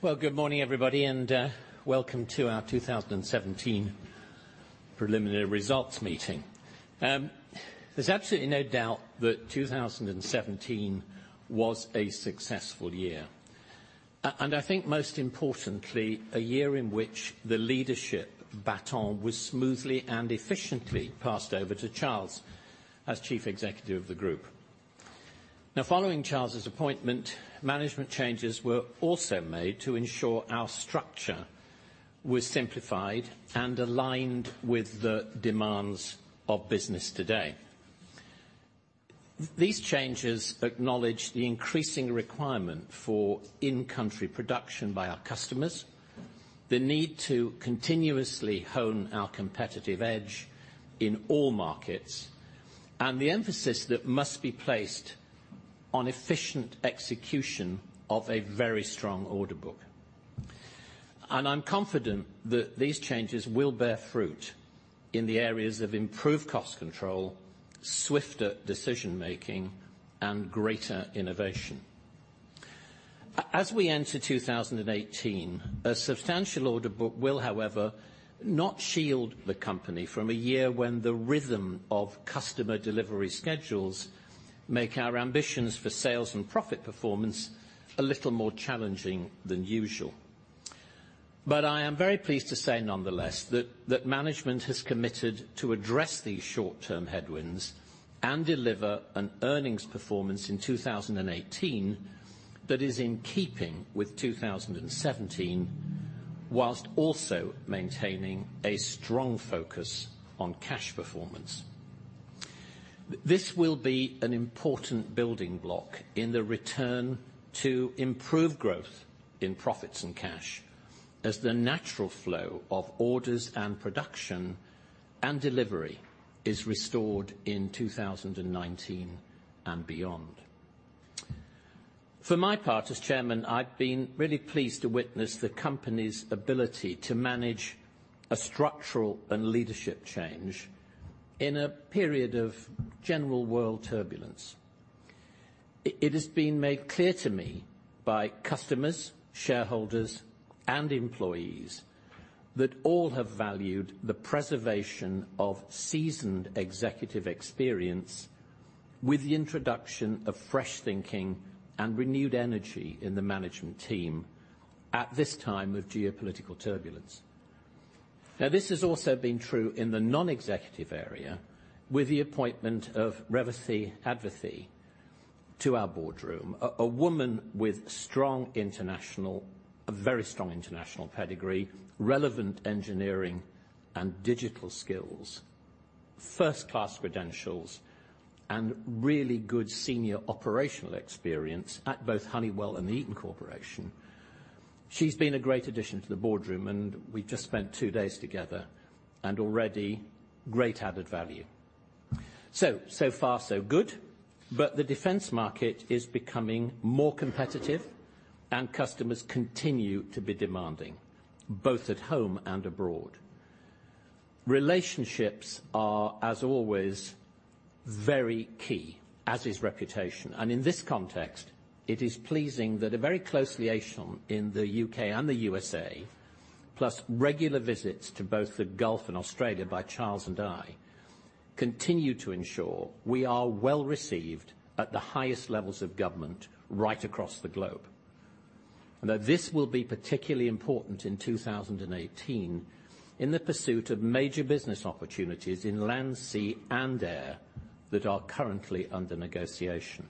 Well, good morning, everybody, and welcome to our 2017 preliminary results meeting. There's absolutely no doubt that 2017 was a successful year, and I think most importantly, a year in which the leadership baton was smoothly and efficiently passed over to Charles as Chief Executive of the group. Following Charles' appointment, management changes were also made to ensure our structure was simplified and aligned with the demands of business today. These changes acknowledge the increasing requirement for in-country production by our customers, the need to continuously hone our competitive edge in all markets, and the emphasis that must be placed on efficient execution of a very strong order book. I'm confident that these changes will bear fruit in the areas of improved cost control, swifter decision-making, and greater innovation. As we enter 2018, a substantial order book will, however, not shield the company from a year when the rhythm of customer delivery schedules make our ambitions for sales and profit performance a little more challenging than usual. I am very pleased to say nonetheless that management has committed to address these short-term headwinds and deliver an earnings performance in 2018 that is in keeping with 2017, whilst also maintaining a strong focus on cash performance. This will be an important building block in the return to improved growth in profits and cash as the natural flow of orders and production and delivery is restored in 2019 and beyond. For my part as Chairman, I've been really pleased to witness the company's ability to manage a structural and leadership change in a period of general world turbulence. It has been made clear to me by customers, shareholders, and employees that all have valued the preservation of seasoned executive experience with the introduction of fresh thinking and renewed energy in the management team at this time of geopolitical turbulence. This has also been true in the non-executive area with the appointment of Revathi Advaithi to our boardroom, a woman with a very strong international pedigree, relevant engineering and digital skills, first-class credentials, and really good senior operational experience at both Honeywell and the Eaton Corporation. She's been a great addition to the boardroom, and we just spent two days together, and already great added value. So far so good, the defense market is becoming more competitive and customers continue to be demanding, both at home and abroad. Relationships are, as always, very key, as is reputation. In this context, it is pleasing that a very close liaison in the U.K. and the U.S.A., plus regular visits to both the Gulf and Australia by Charles and I, continue to ensure we are well received at the highest levels of government right across the globe. This will be particularly important in 2018 in the pursuit of major business opportunities in land, sea, and air that are currently under negotiation.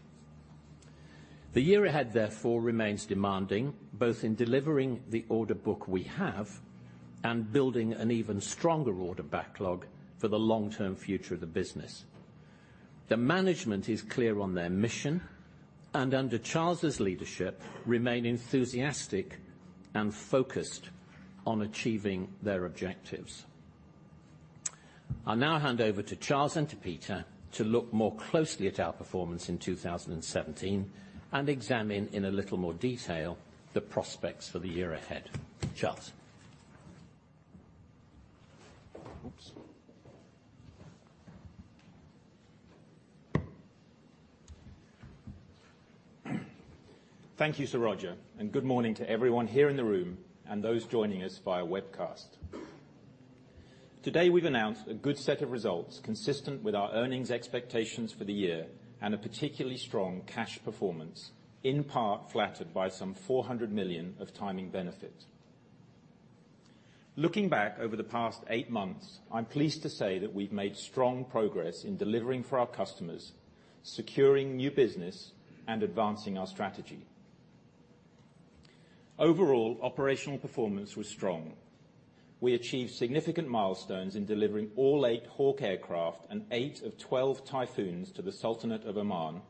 The year ahead, therefore, remains demanding, both in delivering the order book we have and building an even stronger order backlog for the long-term future of the business. The management is clear on their mission, under Charles' leadership, remain enthusiastic and focused on achieving their objectives. I now hand over to Charles and to Peter to look more closely at our performance in 2017 and examine in a little more detail the prospects for the year ahead. Charles? Oops. Thank you, Sir Roger, and good morning to everyone here in the room and those joining us via webcast. Today, we've announced a good set of results consistent with our earnings expectations for the year and a particularly strong cash performance, in part flattered by some 400 million of timing benefit. Looking back over the past eight months, I'm pleased to say that we've made strong progress in delivering for our customers, securing new business, and advancing our strategy. Overall, operational performance was strong. We achieved significant milestones in delivering all eight Hawk aircraft and eight of 12 Typhoons to the Sultanate of Oman,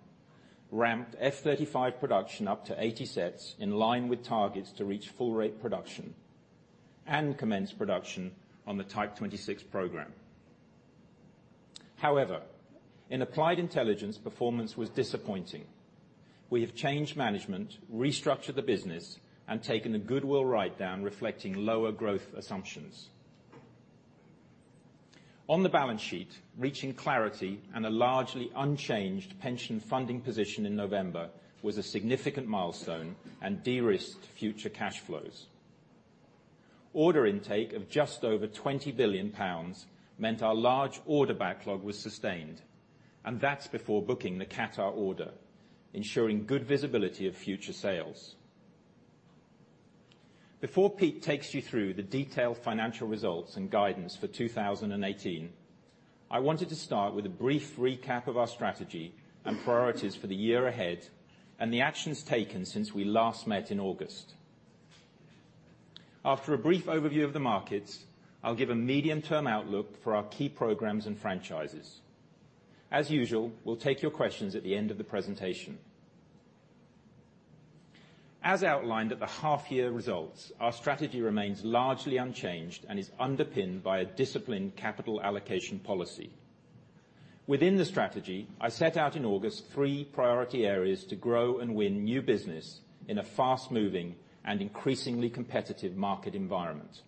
ramped F-35 production up to 80 sets in line with targets to reach full rate production, and commenced production on the Type 26 program. In Applied Intelligence, performance was disappointing. We have changed management, restructured the business, and taken a goodwill writedown reflecting lower growth assumptions. On the balance sheet, reaching clarity and a largely unchanged pension funding position in November was a significant milestone and de-risked future cash flows. Order intake of just over 20 billion pounds meant our large order backlog was sustained, and that's before booking the Qatar order, ensuring good visibility of future sales. Before Pete takes you through the detailed financial results and guidance for 2018, I wanted to start with a brief recap of our strategy and priorities for the year ahead, and the actions taken since we last met in August. After a brief overview of the markets, I'll give a medium-term outlook for our key programs and franchises. As usual, we'll take your questions at the end of the presentation. As outlined at the half-year results, our strategy remains largely unchanged and is underpinned by a disciplined capital allocation policy. Within the strategy, I set out in August three priority areas to grow and win new business in a fast-moving and increasingly competitive market environment.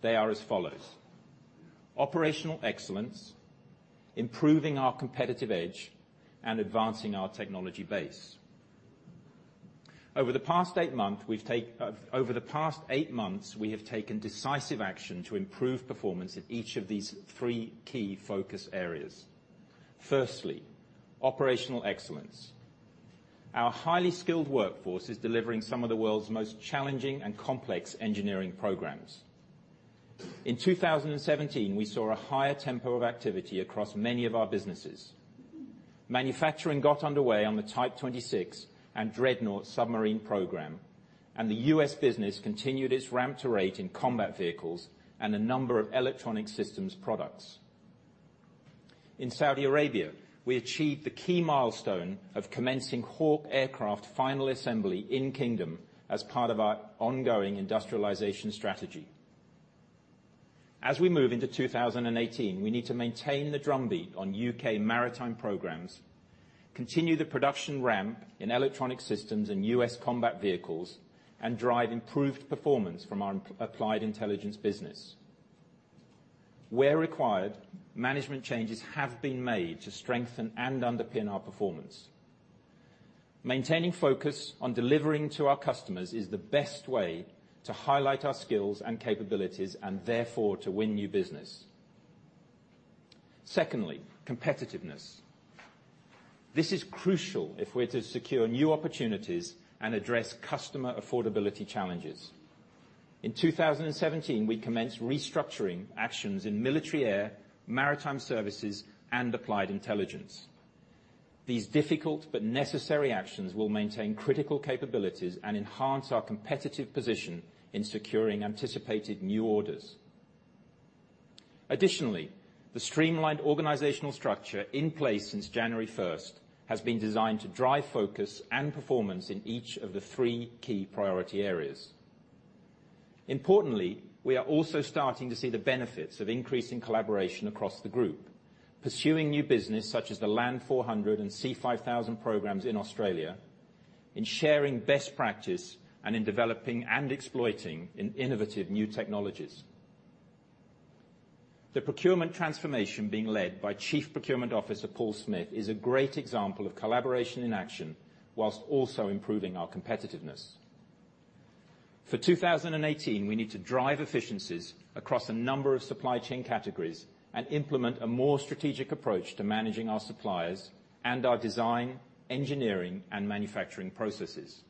They are as follows: operational excellence, improving our competitive edge, and advancing our technology base. Over the past eight months, we have taken decisive action to improve performance in each of these three key focus areas. Firstly, operational excellence. Our highly skilled workforce is delivering some of the world's most challenging and complex engineering programs. In 2017, we saw a higher tempo of activity across many of our businesses. Manufacturing got underway on the Type 26 and Dreadnought submarine program, and the U.S. business continued its ramp to rate in combat vehicles and a number of electronic systems products. In Saudi Arabia, we achieved the key milestone of commencing Hawk aircraft final assembly in Kingdom as part of our ongoing industrialization strategy. As we move into 2018, we need to maintain the drumbeat on U.K. maritime programs, continue the production ramp in electronic systems and U.S. combat vehicles, and drive improved performance from our Applied Intelligence business. Where required, management changes have been made to strengthen and underpin our performance. Maintaining focus on delivering to our customers is the best way to highlight our skills and capabilities, and therefore, to win new business. Secondly, competitiveness. This is crucial if we're to secure new opportunities and address customer affordability challenges. In 2017, we commenced restructuring actions in military air, maritime services, and Applied Intelligence. These difficult but necessary actions will maintain critical capabilities and enhance our competitive position in securing anticipated new orders. Additionally, the streamlined organizational structure in place since January 1st has been designed to drive focus and performance in each of the three key priority areas. Importantly, we are also starting to see the benefits of increasing collaboration across the group, pursuing new business such as the LAND 400 and SEA 5000 programs in Australia, in sharing best practice, and in developing and exploiting innovative new technologies. The procurement transformation being led by Chief Procurement Officer Paul Smith is a great example of collaboration in action whilst also improving our competitiveness. For 2018, we need to drive efficiencies across a number of supply chain categories and implement a more strategic approach to managing our suppliers and our design, engineering, and manufacturing processes.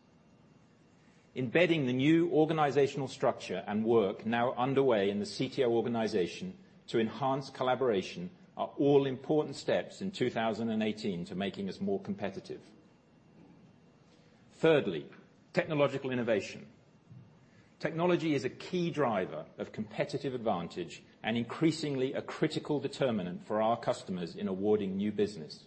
Embedding the new organizational structure and work now underway in the CTO organization to enhance collaboration are all important steps in 2018 to making us more competitive. Thirdly, technological innovation. Technology is a key driver of competitive advantage and increasingly a critical determinant for our customers in awarding new business.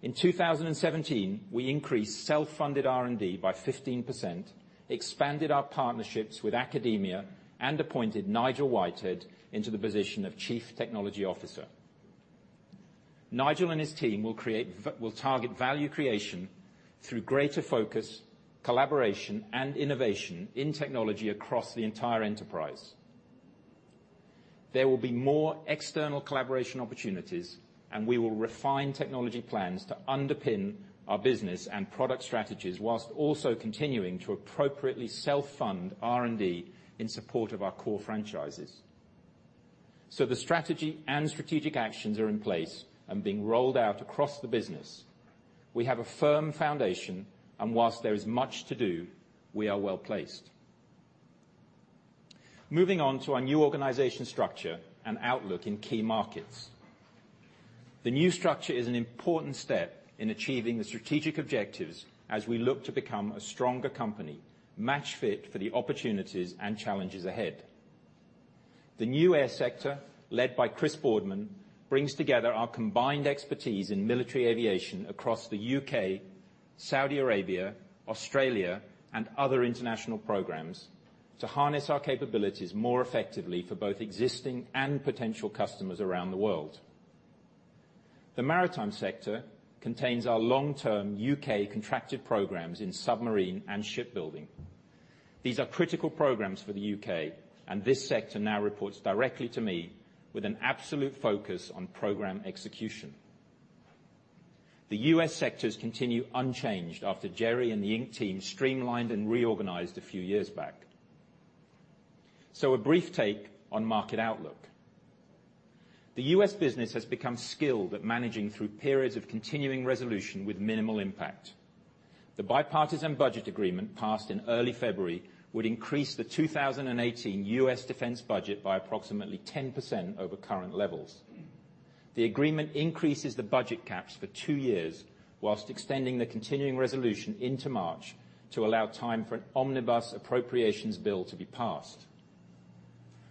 In 2017, we increased self-funded R&D by 15%, expanded our partnerships with academia, and appointed Nigel Whitehead into the position of Chief Technology Officer. Nigel and his team will target value creation through greater focus, collaboration, and innovation in technology across the entire enterprise. There will be more external collaboration opportunities, and we will refine technology plans to underpin our business and product strategies whilst also continuing to appropriately self-fund R&D in support of our core franchises. The strategy and strategic actions are in place and being rolled out across the business. We have a firm foundation, and whilst there is much to do, we are well-placed. Moving on to our new organization structure and outlook in key markets. The new structure is an important step in achieving the strategic objectives as we look to become a stronger company, match fit for the opportunities and challenges ahead. The new air sector, led by Chris Boardman, brings together our combined expertise in military aviation across the U.K., Saudi Arabia, Australia, and other international programs, to harness our capabilities more effectively for both existing and potential customers around the world. The maritime sector contains our long-term U.K. contracted programs in submarine and shipbuilding. These are critical programs for the U.K., and this sector now reports directly to me with an absolute focus on program execution. The U.S. sectors continue unchanged after Jerry and the Inc. team streamlined and reorganized a few years back. A brief take on market outlook. The U.S. business has become skilled at managing through periods of continuing resolution with minimal impact. The bipartisan budget agreement, passed in early February, would increase the 2018 U.S. defense budget by approximately 10% over current levels. The agreement increases the budget caps for two years, whilst extending the continuing resolution into March to allow time for an omnibus appropriations bill to be passed.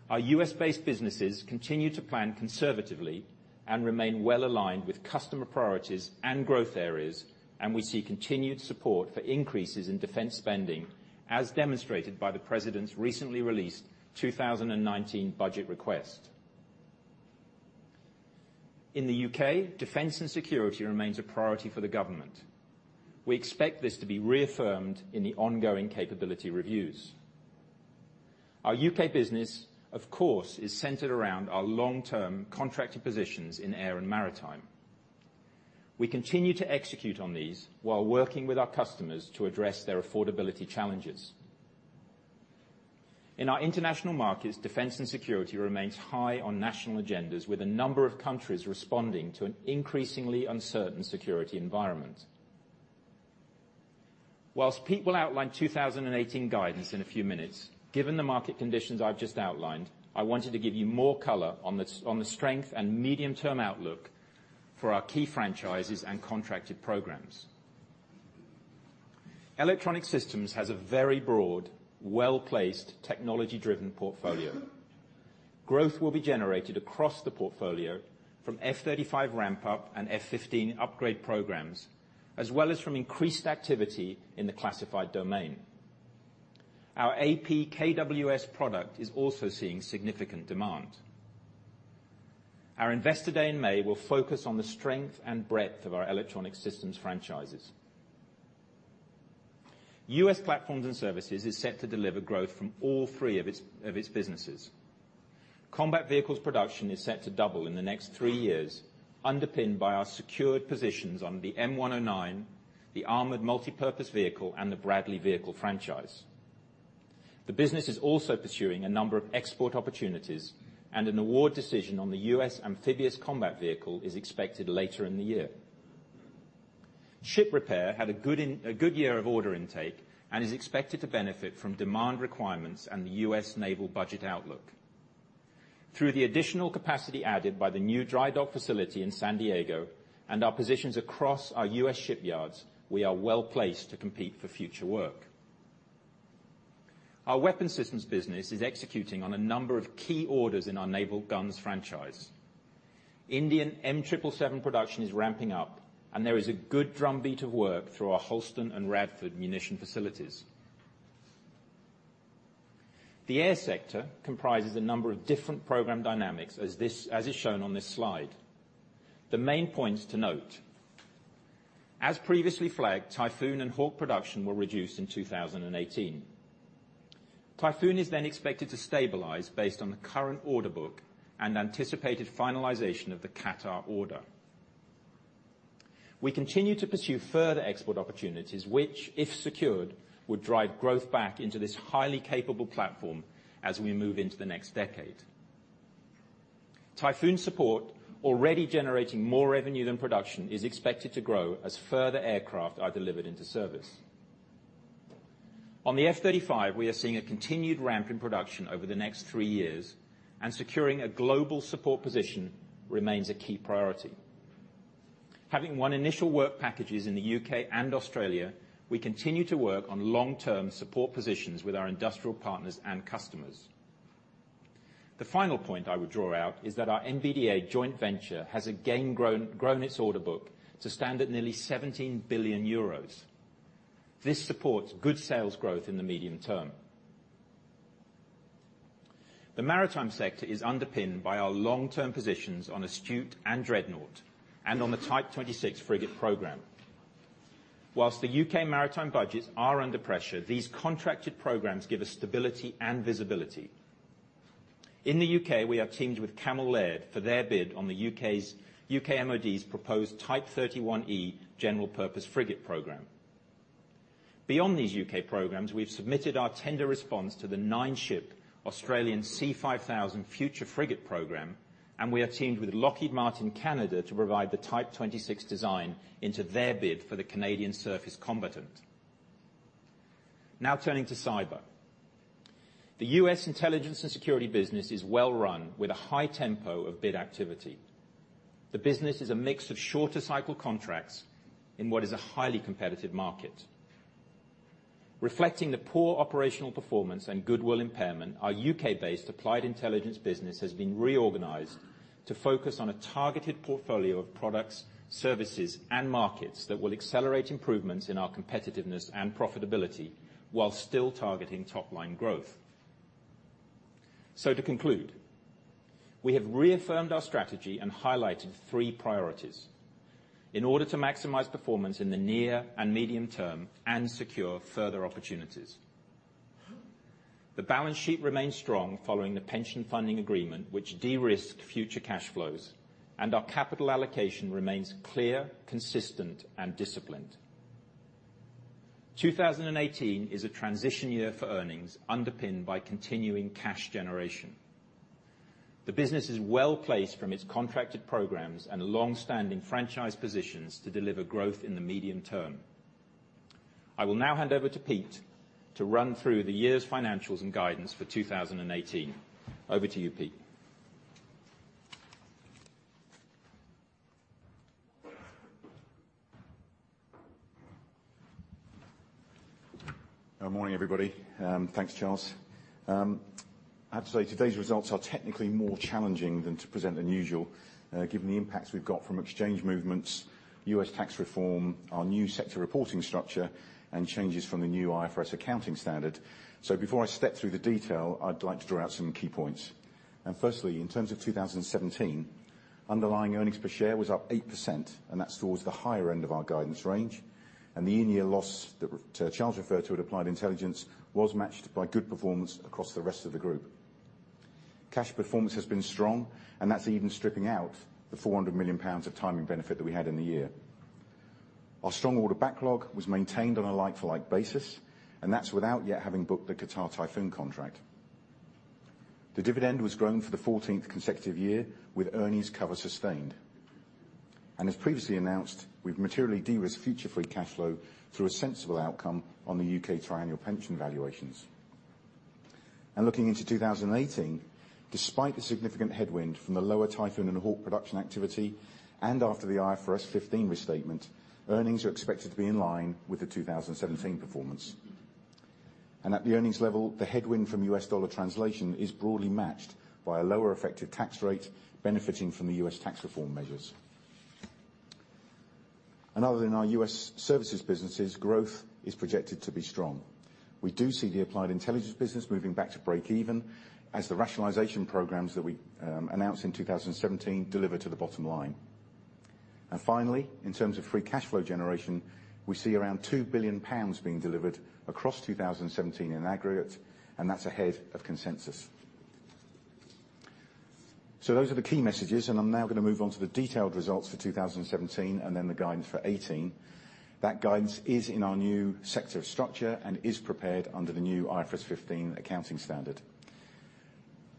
Our U.S.-based businesses continue to plan conservatively and remain well-aligned with customer priorities and growth areas, and we see continued support for increases in defense spending, as demonstrated by the president's recently released 2019 budget request. In the U.K., defense and security remains a priority for the government. We expect this to be reaffirmed in the ongoing capability reviews. Our U.K. business, of course, is centered around our long-term contracted positions in air and maritime. We continue to execute on these while working with our customers to address their affordability challenges. In our international markets, defense and security remains high on national agendas, with a number of countries responding to an increasingly uncertain security environment. Whilst Pete will outline 2018 guidance in a few minutes, given the market conditions I've just outlined, I wanted to give you more color on the strength and medium-term outlook for our key franchises and contracted programs. Electronic Systems has a very broad, well-placed, technology-driven portfolio. Growth will be generated across the portfolio from F-35 ramp-up and F-15 upgrade programs, as well as from increased activity in the classified domain. Our APKWS product is also seeing significant demand. Our Investor Day in May will focus on the strength and breadth of our Electronic Systems franchises. U.S. Platforms and Services is set to deliver growth from all three of its businesses. Combat vehicles production is set to double in the next three years, underpinned by our secured positions on the M109, the Armored Multi-Purpose Vehicle, and the Bradley vehicle franchise. The business is also pursuing a number of export opportunities, and an award decision on the U.S. Amphibious Combat Vehicle is expected later in the year. Ship repair had a good year of order intake and is expected to benefit from demand requirements and the U.S. naval budget outlook. Through the additional capacity added by the new dry dock facility in San Diego and our positions across our U.S. shipyards, we are well-placed to compete for future work. Our weapon systems business is executing on a number of key orders in our naval guns franchise. Indian M777 production is ramping up, and there is a good drumbeat of work through our Holston and Radford munition facilities. The air sector comprises a number of different program dynamics, as is shown on this slide. The main points to note. As previously flagged, Typhoon and Hawk production were reduced in 2018. Typhoon is then expected to stabilize based on the current order book and anticipated finalization of the Qatar order. We continue to pursue further export opportunities, which, if secured, would drive growth back into this highly capable platform as we move into the next decade. Typhoon support, already generating more revenue than production, is expected to grow as further aircraft are delivered into service. On the F-35, we are seeing a continued ramp in production over the next three years, and securing a global support position remains a key priority. Having won initial work packages in the U.K. and Australia, we continue to work on long-term support positions with our industrial partners and customers. The final point I would draw out is that our MBDA joint venture has again grown its order book to stand at nearly €17 billion. This supports good sales growth in the medium term. The maritime sector is underpinned by our long-term positions on Astute and Dreadnought, and on the Type 26 frigate program. Whilst the U.K. maritime budgets are under pressure, these contracted programs give us stability and visibility. In the U.K., we have teamed with Cammell Laird for their bid on the UK MOD's proposed Type 31e general-purpose frigate program. Beyond these U.K. programs, we've submitted our tender response to the nine-ship Australian SEA 5000 future frigate program, and we are teamed with Lockheed Martin Canada to provide the Type 26 design into their bid for the Canadian Surface Combatant. Turning to cyber. The U.S. intelligence and security business is well-run with a high tempo of bid activity. The business is a mix of shorter cycle contracts in what is a highly competitive market. Reflecting the poor operational performance and goodwill impairment, our U.K.-based Applied Intelligence business has been reorganized to focus on a targeted portfolio of products, services, and markets that will accelerate improvements in our competitiveness and profitability while still targeting top-line growth. To conclude, we have reaffirmed our strategy and highlighted three priorities in order to maximize performance in the near and medium term and secure further opportunities. The balance sheet remains strong following the pension funding agreement, which de-risks future cash flows, and our capital allocation remains clear, consistent, and disciplined. 2018 is a transition year for earnings underpinned by continuing cash generation. The business is well-placed from its contracted programs and long-standing franchise positions to deliver growth in the medium term. I will now hand over to Pete to run through the year's financials and guidance for 2018. Over to you, Pete. Good morning, everybody. Thanks, Charles. I have to say, today's results are technically more challenging than to present than usual, given the impacts we've got from exchange movements, U.S. tax reform, our new sector reporting structure, and changes from the new IFRS accounting standard. Before I step through the detail, I'd like to draw out some key points. Firstly, in terms of 2017, underlying earnings per share was up 8%, and that's towards the higher end of our guidance range. The in-year loss that Charles referred to at Applied Intelligence was matched by good performance across the rest of the group. Cash performance has been strong, and that's even stripping out the 400 million pounds of timing benefit that we had in the year. Our strong order backlog was maintained on a like-for-like basis, and that's without yet having booked the Qatar Typhoon contract. The dividend was grown for the 14th consecutive year with earnings cover sustained. As previously announced, we've materially de-risked future free cash flow through a sensible outcome on the U.K. triannual pension valuations. Looking into 2018, despite the significant headwind from the lower Typhoon and Hawk production activity, and after the IFRS 15 restatement, earnings are expected to be in line with the 2017 performance. At the earnings level, the headwind from U.S. dollar translation is broadly matched by a lower effective tax rate benefiting from the U.S. tax reform measures. Other than our U.S. services businesses, growth is projected to be strong. We do see the Applied Intelligence business moving back to break even as the rationalization programs that we announced in 2017 deliver to the bottom line. Finally, in terms of free cash flow generation, we see around 2 billion pounds being delivered across 2017 in aggregate, and that's ahead of consensus. Those are the key messages, and I'm now going to move on to the detailed results for 2017 and then the guidance for 2018. That guidance is in our new sector of structure and is prepared under the new IFRS 15 accounting standard.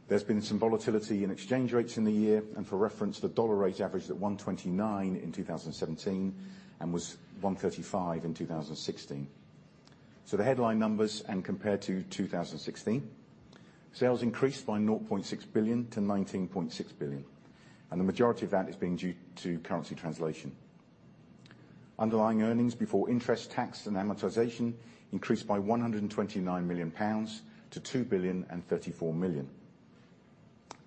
There's been some volatility in exchange rates in the year, and for reference, the dollar rate averaged at 129 in 2017 and was 135 in 2016. The headline numbers and compared to 2016, sales increased by 0.6 billion to 19.6 billion, and the majority of that is being due to currency translation. Underlying EBITA increased by 129 million pounds to 2.034 billion.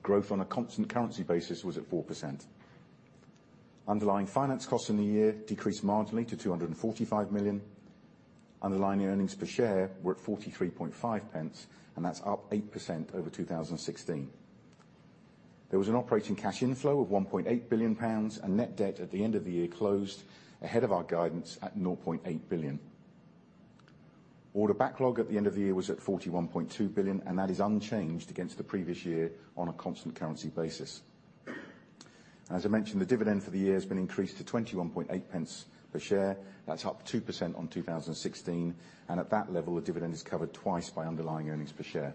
Growth on a constant currency basis was at 4%. Underlying finance costs in the year decreased marginally to 245 million. Underlying earnings per share were at 0.435, and that's up 8% over 2016. There was an operating cash inflow of 1.8 billion pounds, and net debt at the end of the year closed ahead of our guidance at 0.8 billion. Order backlog at the end of the year was at 41.2 billion, and that is unchanged against the previous year on a constant currency basis. As I mentioned, the dividend for the year has been increased to 0.218 per share. That's up 2% on 2016. At that level, the dividend is covered twice by underlying earnings per share.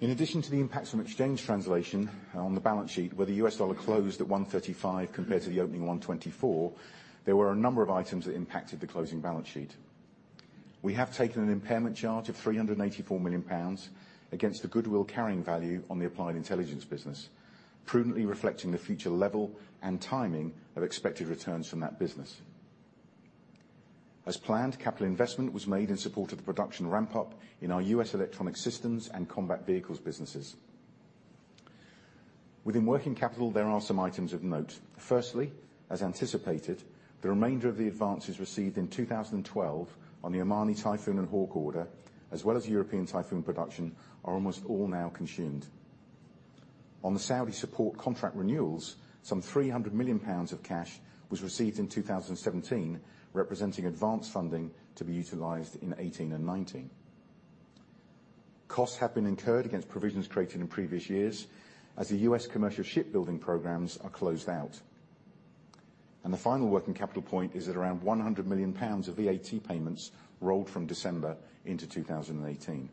In addition to the impacts from exchange translation on the balance sheet, where the U.S. dollar closed at 135 compared to the opening 124, there were a number of items that impacted the closing balance sheet. We have taken an impairment charge of 384 million pounds against the goodwill carrying value on the Applied Intelligence business, prudently reflecting the future level and timing of expected returns from that business. As planned, capital investment was made in support of the production ramp-up in our U.S. electronic systems and combat vehicles businesses. Within working capital, there are some items of note. Firstly, as anticipated, the remainder of the advances received in 2012 on the Omani Typhoon and Hawk order, as well as European Typhoon production, are almost all now consumed. On the Saudi support contract renewals, some 300 million pounds of cash was received in 2017, representing advance funding to be utilized in 2018 and 2019. Costs have been incurred against provisions created in previous years as the U.S. commercial shipbuilding programs are closed out. The final working capital point is that around 100 million pounds of VAT payments rolled from December into 2018.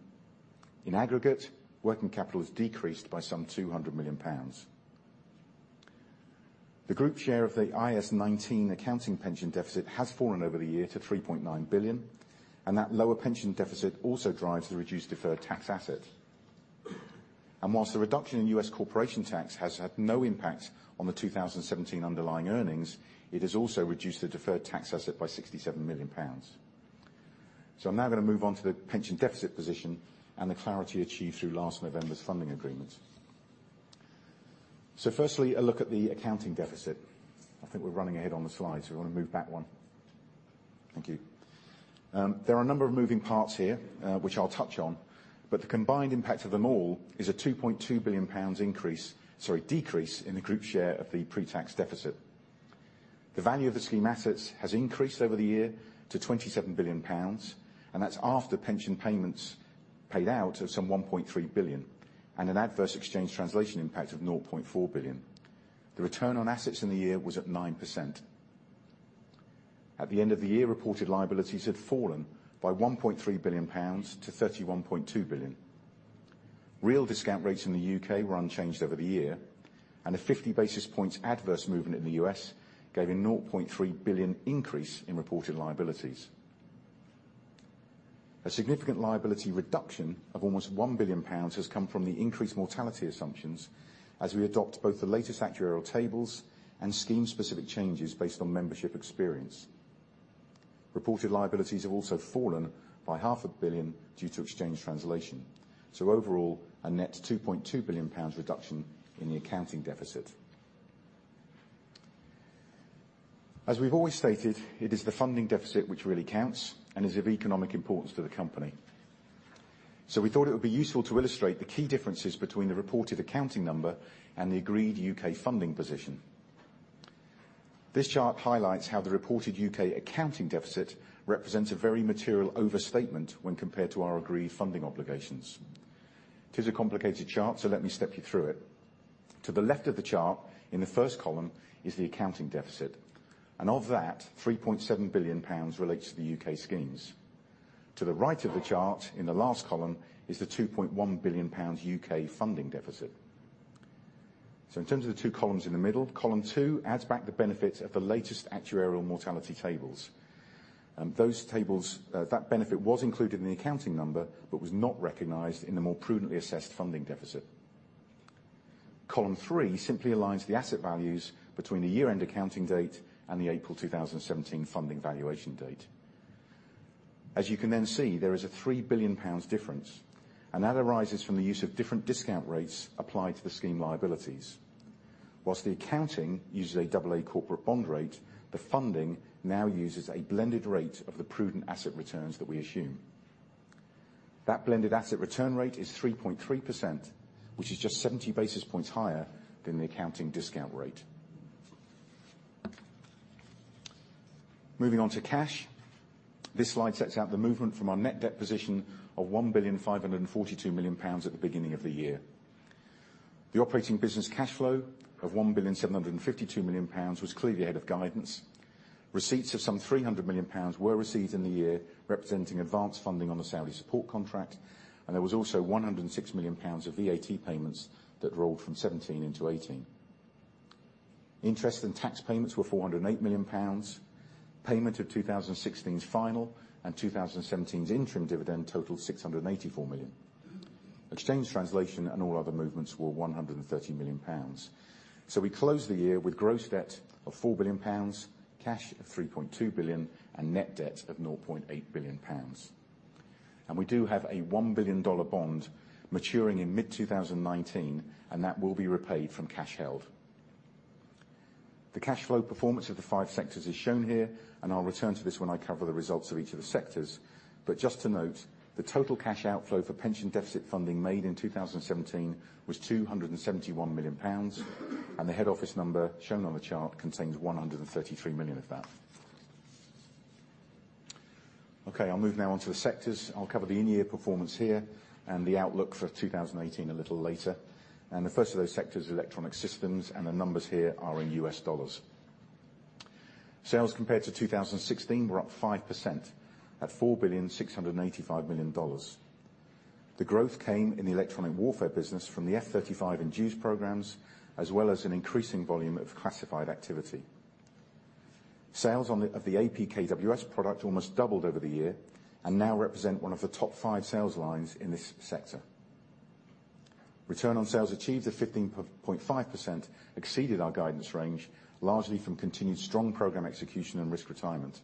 In aggregate, working capital has decreased by some 200 million pounds. The group share of the IAS 19 accounting pension deficit has fallen over the year to 3.9 billion, and that lower pension deficit also drives the reduced deferred tax asset. Whilst the reduction in U.S. corporation tax has had no impact on the 2017 underlying earnings, it has also reduced the deferred tax asset by GBP 67 million. I am now going to move on to the pension deficit position and the clarity achieved through last November's funding agreement. Firstly, a look at the accounting deficit. I think we are running ahead on the slides, we want to move back one. Thank you. There are a number of moving parts here, which I will touch on, but the combined impact of them all is a 2.2 billion pounds decrease in the group share of the pre-tax deficit. The value of the scheme assets has increased over the year to 27 billion pounds, and that is after pension payments paid out of some 1.3 billion, and an adverse exchange translation impact of 0.4 billion. The return on assets in the year was at 9%. At the end of the year, reported liabilities had fallen by 1.3 billion pounds to 31.2 billion. Real discount rates in the U.K. were unchanged over the year, and a 50 basis points adverse movement in the U.S. gave a 0.3 billion increase in reported liabilities. A significant liability reduction of almost 1 billion pounds has come from the increased mortality assumptions as we adopt both the latest actuarial tables and scheme-specific changes based on membership experience. Reported liabilities have also fallen by half a billion due to exchange translation. Overall, a net 2.2 billion pounds reduction in the accounting deficit. As we have always stated, it is the funding deficit which really counts and is of economic importance to the company. We thought it would be useful to illustrate the key differences between the reported accounting number and the agreed U.K. funding position. This chart highlights how the reported U.K. accounting deficit represents a very material overstatement when compared to our agreed funding obligations. It is a complicated chart, let me step you through it. To the left of the chart, in the first column, is the accounting deficit, and of that, 3.7 billion pounds relates to the U.K. schemes. To the right of the chart, in the last column, is the 2.1 billion pounds U.K. funding deficit. In terms of the two columns in the middle, column 2 adds back the benefit of the latest actuarial mortality tables. That benefit was included in the accounting number but was not recognized in the more prudently assessed funding deficit. Column 3 simply aligns the asset values between the year-end accounting date and the April 2017 funding valuation date. As you can see, there is a 3 billion pounds difference, and that arises from the use of different discount rates applied to the scheme liabilities. Whilst the accounting uses a AA corporate bond rate, the funding now uses a blended rate of the prudent asset returns that we assume. That blended asset return rate is 3.3%, which is just 70 basis points higher than the accounting discount rate. Moving on to cash. This slide sets out the movement from our net debt position of £1,542 million at the beginning of the year. The operating business cash flow of £1,752 million was clearly ahead of guidance. Receipts of some £300 million were received in the year, representing advanced funding on the Saudi support contract, and there was also £106 million of VAT payments that rolled from 2017 into 2018. Interest and tax payments were £408 million. Payment of 2016's final and 2017's interim dividend totaled 684 million. Exchange translation and all other movements were £130 million. We closed the year with gross debt of £4 billion, cash of 3.2 billion, and net debt of £0.8 billion. We do have a GBP 1 billion bond maturing in mid-2019, and that will be repaid from cash held. The cash flow performance of the five sectors is shown here, I'll return to this when I cover the results of each of the sectors. Just to note, the total cash outflow for pension deficit funding made in 2017 was £271 million, and the head office number shown on the chart contains 133 million of that. I'll move now on to the sectors. I'll cover the in-year performance here and the outlook for 2018 a little later. The first of those sectors is Electronic Systems, and the numbers here are in US dollars. Sales compared to 2016 were up 5% at $4,685 million. The growth came in the electronic warfare business from the F-35 and DEWS programs, as well as an increasing volume of classified activity. Sales of the APKWS product almost doubled over the year and now represent one of the top five sales lines in this sector. Return on sales achieved of 15.5% exceeded our guidance range, largely from continued strong program execution and risk retirement.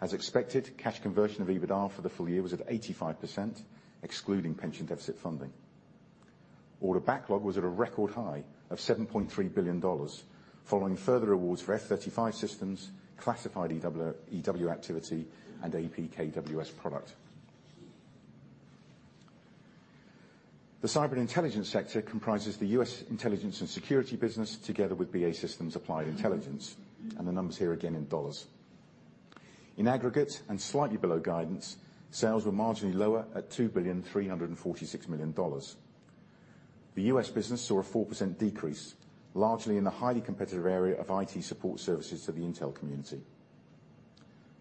As expected, cash conversion of EBITDA for the full year was at 85%, excluding pension deficit funding. Order backlog was at a record high of $7.3 billion, following further awards for F-35 systems, classified EW activity, and APKWS product. The cyber and intelligence sector comprises the U.S. intelligence and security business together with BAE Systems Applied Intelligence, and the numbers here again in dollars. In aggregate and slightly below guidance, sales were marginally lower at $2,346 million. The U.S. business saw a 4% decrease, largely in the highly competitive area of IT support services to the intel community.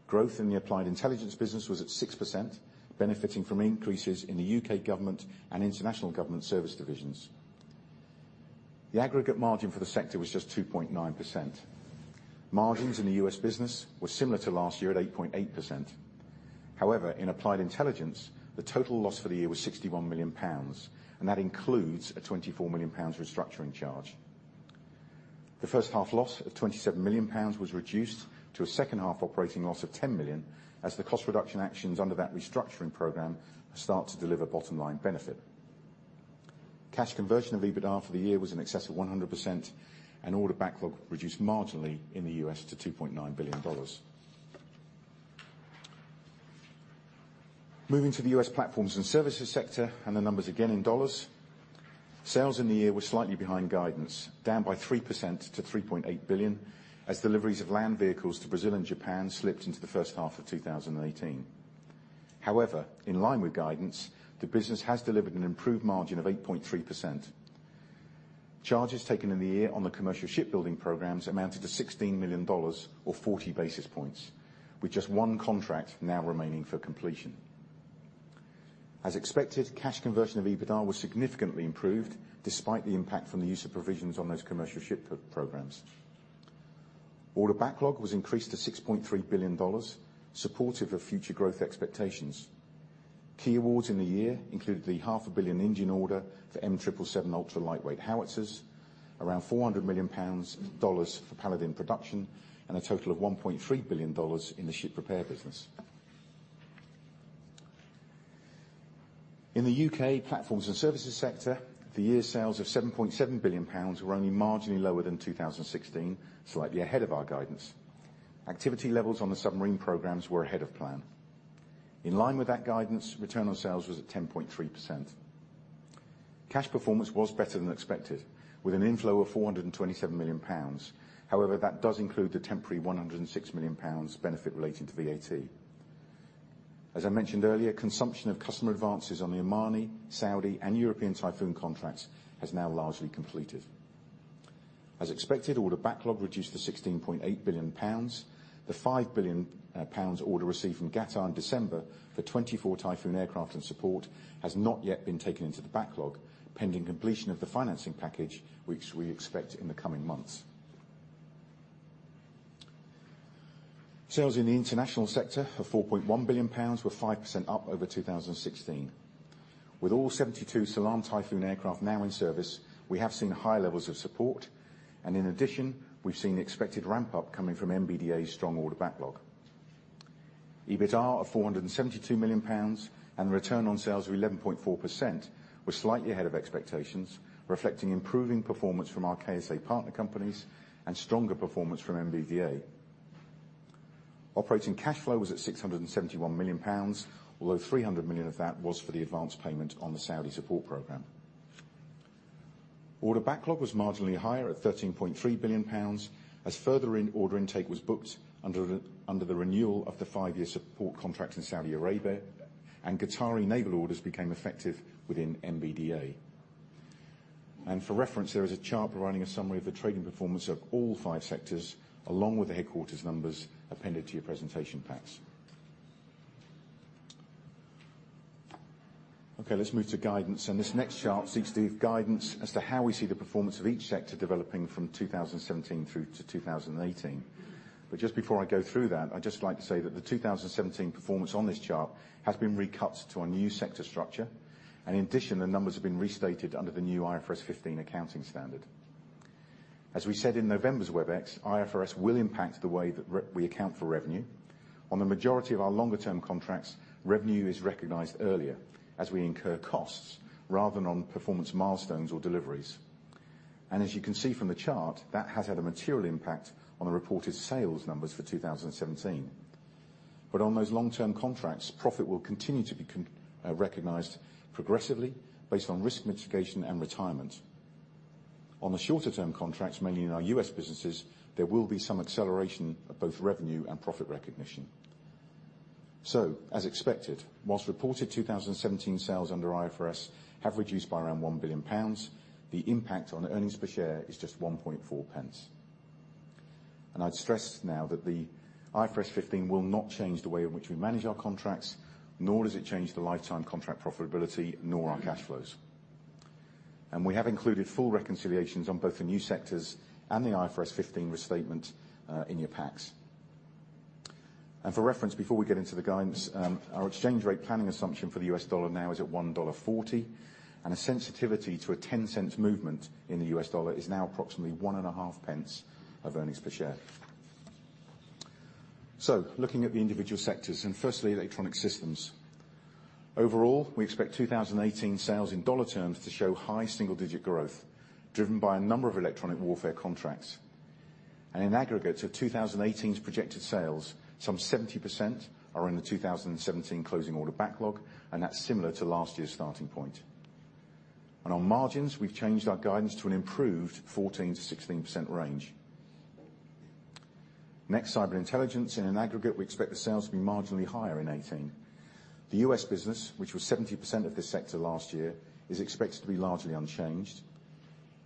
Growth in the Applied Intelligence business was at 6%, benefiting from increases in the U.K. government and international government service divisions. The aggregate margin for the sector was just 2.9%. Margins in the U.S. business were similar to last year at 8.8%. However, in Applied Intelligence, the total loss for the year was £61 million, and that includes a £24 million restructuring charge. The first-half loss of £27 million was reduced to a second-half operating loss of 10 million, as the cost reduction actions under that restructuring program start to deliver bottom-line benefit. Cash conversion of EBITDA for the year was in excess of 100%, and order backlog reduced marginally in the U.S. to $2.9 billion. Moving to the U.S. platforms and services sector, the numbers again in dollars. Sales in the year were slightly behind guidance, down by 3% to $3.8 billion, as deliveries of land vehicles to Brazil and Japan slipped into the first half of 2018. However, in line with guidance, the business has delivered an improved margin of 8.3%. Charges taken in the year on the commercial shipbuilding programs amounted to $16 million, or 40 basis points, with just one contract now remaining for completion. As expected, cash conversion of EBITDA was significantly improved despite the impact from the use of provisions on those commercial ship programs. Order backlog was increased to $6.3 billion, supportive of future growth expectations. Key awards in the year include the half a billion engine order for M777 ultra-lightweight howitzers, around GBP 400 million for Paladin production, and a total of $1.3 billion in the ship repair business. In the U.K. platforms and services sector, the year's sales of £7.7 billion were only marginally lower than 2016, slightly ahead of our guidance. Activity levels on the submarine programs were ahead of plan. In line with that guidance, return on sales was at 10.3%. Cash performance was better than expected, with an inflow of £427 million. However, that does include the temporary £106 million benefit relating to VAT. As I mentioned earlier, consumption of customer advances on the Omani, Saudi, and European Typhoon contracts has now largely completed. As expected, order backlog reduced to £16.8 billion. The £5 billion order received from Qatar in December for 24 Typhoon aircraft and support has not yet been taken into the backlog, pending completion of the financing package, which we expect in the coming months. Sales in the international sector of £4.1 billion were 5% up over 2016. With all 72 Salam Typhoon aircraft now in service, we have seen high levels of support, and in addition, we've seen the expected ramp-up coming from MBDA's strong order backlog. EBITDA of £472 million and return on sales of 11.4% were slightly ahead of expectations, reflecting improving performance from our KSA partner companies and stronger performance from MBDA. Operating cash flow was at £671 million, although £300 million of that was for the advanced payment on the Saudi support program. Order backlog was marginally higher at £13.3 billion, as further order intake was booked under the renewal of the five-year support contracts in Saudi Arabia and Qatari naval orders became effective within MBDA. For reference, there is a chart providing a summary of the trading performance of all five sectors, along with the headquarters numbers appended to your presentation packs. Okay, let's move to guidance, and this next chart seeks to give guidance as to how we see the performance of each sector developing from 2017 through to 2018. Just before I go through that, I'd just like to say that the 2017 performance on this chart has been recut to our new sector structure, and in addition, the numbers have been restated under the new IFRS 15 accounting standard. As we said in November's Webex, IFRS will impact the way that we account for revenue. On the majority of our longer-term contracts, revenue is recognized earlier as we incur costs, rather than on performance milestones or deliveries. As you can see from the chart, that has had a material impact on the reported sales numbers for 2017. On those long-term contracts, profit will continue to be recognized progressively based on risk mitigation and retirement. On the shorter-term contracts, mainly in our U.S. businesses, there will be some acceleration of both revenue and profit recognition. As expected, whilst reported 2017 sales under IFRS have reduced by around 1 billion pounds, the impact on earnings per share is just 0.014. I'd stress now that the IFRS 15 will not change the way in which we manage our contracts, nor does it change the lifetime contract profitability, nor our cash flows. We have included full reconciliations on both the new sectors and the IFRS 15 restatement in your packs. For reference, before we get into the guidance, our exchange rate planning assumption for the U.S. dollar now is at $1.40, and a sensitivity to a $0.10 movement in the U.S. dollar is now approximately 0.015 of earnings per share. Looking at the individual sectors, firstly, electronic systems. Overall, we expect 2018 sales in U.S. dollar terms to show high single-digit growth, driven by a number of electronic warfare contracts. In aggregate, to 2018's projected sales, some 70% are in the 2017 closing order backlog, that's similar to last year's starting point. On margins, we've changed our guidance to an improved 14%-16% range. Next, Cyber Intelligence. In aggregate, we expect the sales to be marginally higher in 2018. The U.S. business, which was 70% of this sector last year, is expected to be largely unchanged.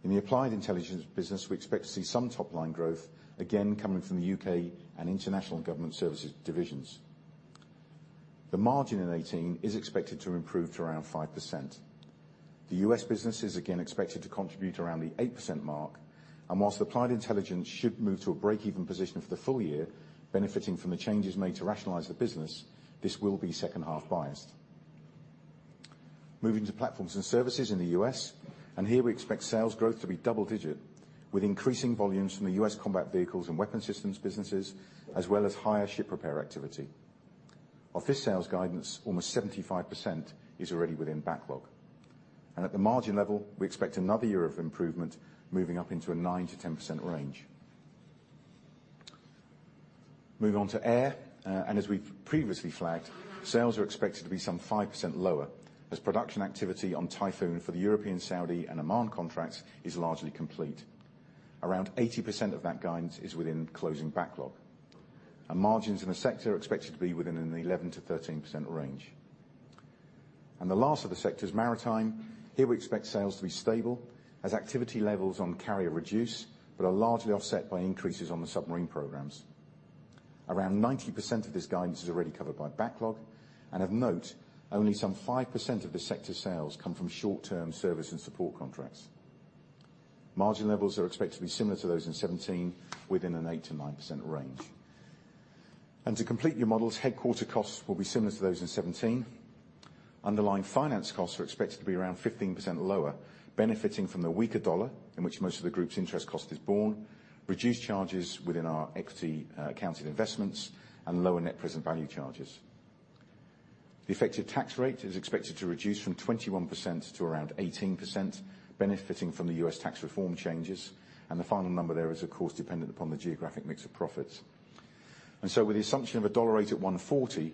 In the Applied Intelligence business, we expect to see some top-line growth, again, coming from the U.K. and international government services divisions. The margin in 2018 is expected to improve to around 5%. The U.S. business is again expected to contribute around the 8% mark, whilst Applied Intelligence should move to a break-even position for the full year, benefiting from the changes made to rationalize the business, this will be second-half biased. Moving to Platforms & Services U.S., here we expect sales growth to be double-digit, with increasing volumes from the U.S. combat vehicles and weapon systems businesses, as well as higher ship repair activity. Of this sales guidance, almost 75% is already within backlog. At the margin level, we expect another year of improvement moving up into a 9%-10% range. Moving on to Air, as we've previously flagged, sales are expected to be some 5% lower as production activity on Typhoon for the European, Saudi, and Oman contracts is largely complete. Around 80% of that guidance is within closing backlog. Margins in the sector are expected to be within an 11%-13% range. The last of the sectors, Maritime, here we expect sales to be stable as activity levels on carrier reduce, but are largely offset by increases on the submarine programs. Around 90% of this guidance is already covered by backlog, of note, only some 5% of the sector sales come from short-term service and support contracts. Margin levels are expected to be similar to those in 2017, within an 8%-9% range. To complete your models, headquarter costs will be similar to those in 2017. Underlying finance costs are expected to be around 15% lower, benefiting from the weaker dollar in which most of the group's interest cost is borne, reduced charges within our equity accounted investments, and lower net present value charges. The effective tax rate is expected to reduce from 21% to around 18%, benefiting from the U.S. tax reform changes, and the final number there is of course dependent upon the geographic mix of profits. With the assumption of a USD rate at 140,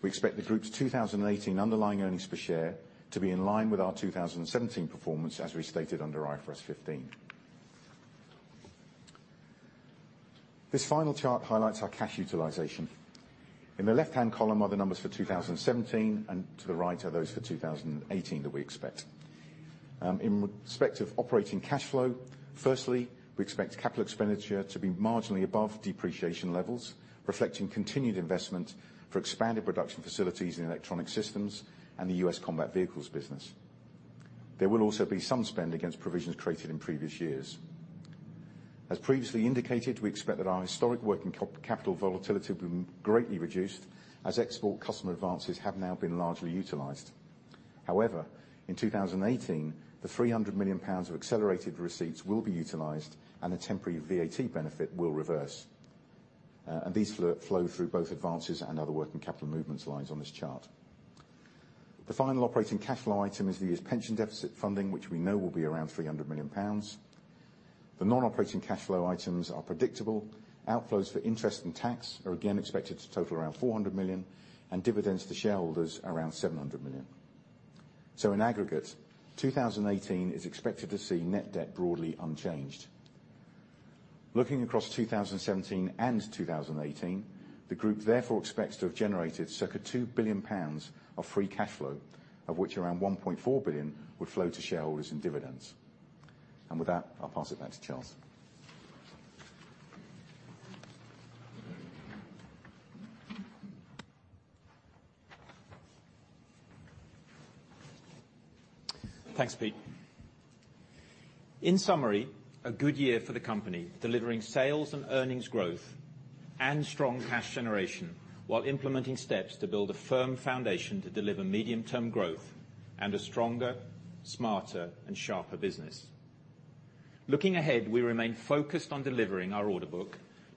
we expect the group's 2018 underlying earnings per share to be in line with our 2017 performance, as we stated under IFRS 15. This final chart highlights our cash utilization. In the left-hand column are the numbers for 2017, and to the right are those for 2018 that we expect. In respect of operating cash flow, firstly, we expect capital expenditure to be marginally above depreciation levels, reflecting continued investment for expanded production facilities in electronic systems and the U.S. combat vehicles business. There will also be some spend against provisions created in previous years. As previously indicated, we expect that our historic working capital volatility will be greatly reduced as export customer advances have now been largely utilized. However, in 2018, the 300 million pounds of accelerated receipts will be utilized and the temporary VAT benefit will reverse. These flow through both advances and other working capital movement slides on this chart. The final operating cash flow item is the year's pension deficit funding, which we know will be around 300 million pounds. The non-operating cash flow items are predictable. Outflows for interest and tax are again expected to total around 400 million, and dividends to shareholders around 700 million. In aggregate, 2018 is expected to see net debt broadly unchanged. Looking across 2017 and 2018, the group therefore expects to have generated circa 2 billion pounds of free cash flow, of which around 1.4 billion would flow to shareholders in dividends. With that, I'll pass it back to Charles. Thanks, Pete. In summary, a good year for the company, delivering sales and earnings growth and strong cash generation while implementing steps to build a firm foundation to deliver medium-term growth and a stronger, smarter, and sharper business. Looking ahead, we remain focused on delivering our order book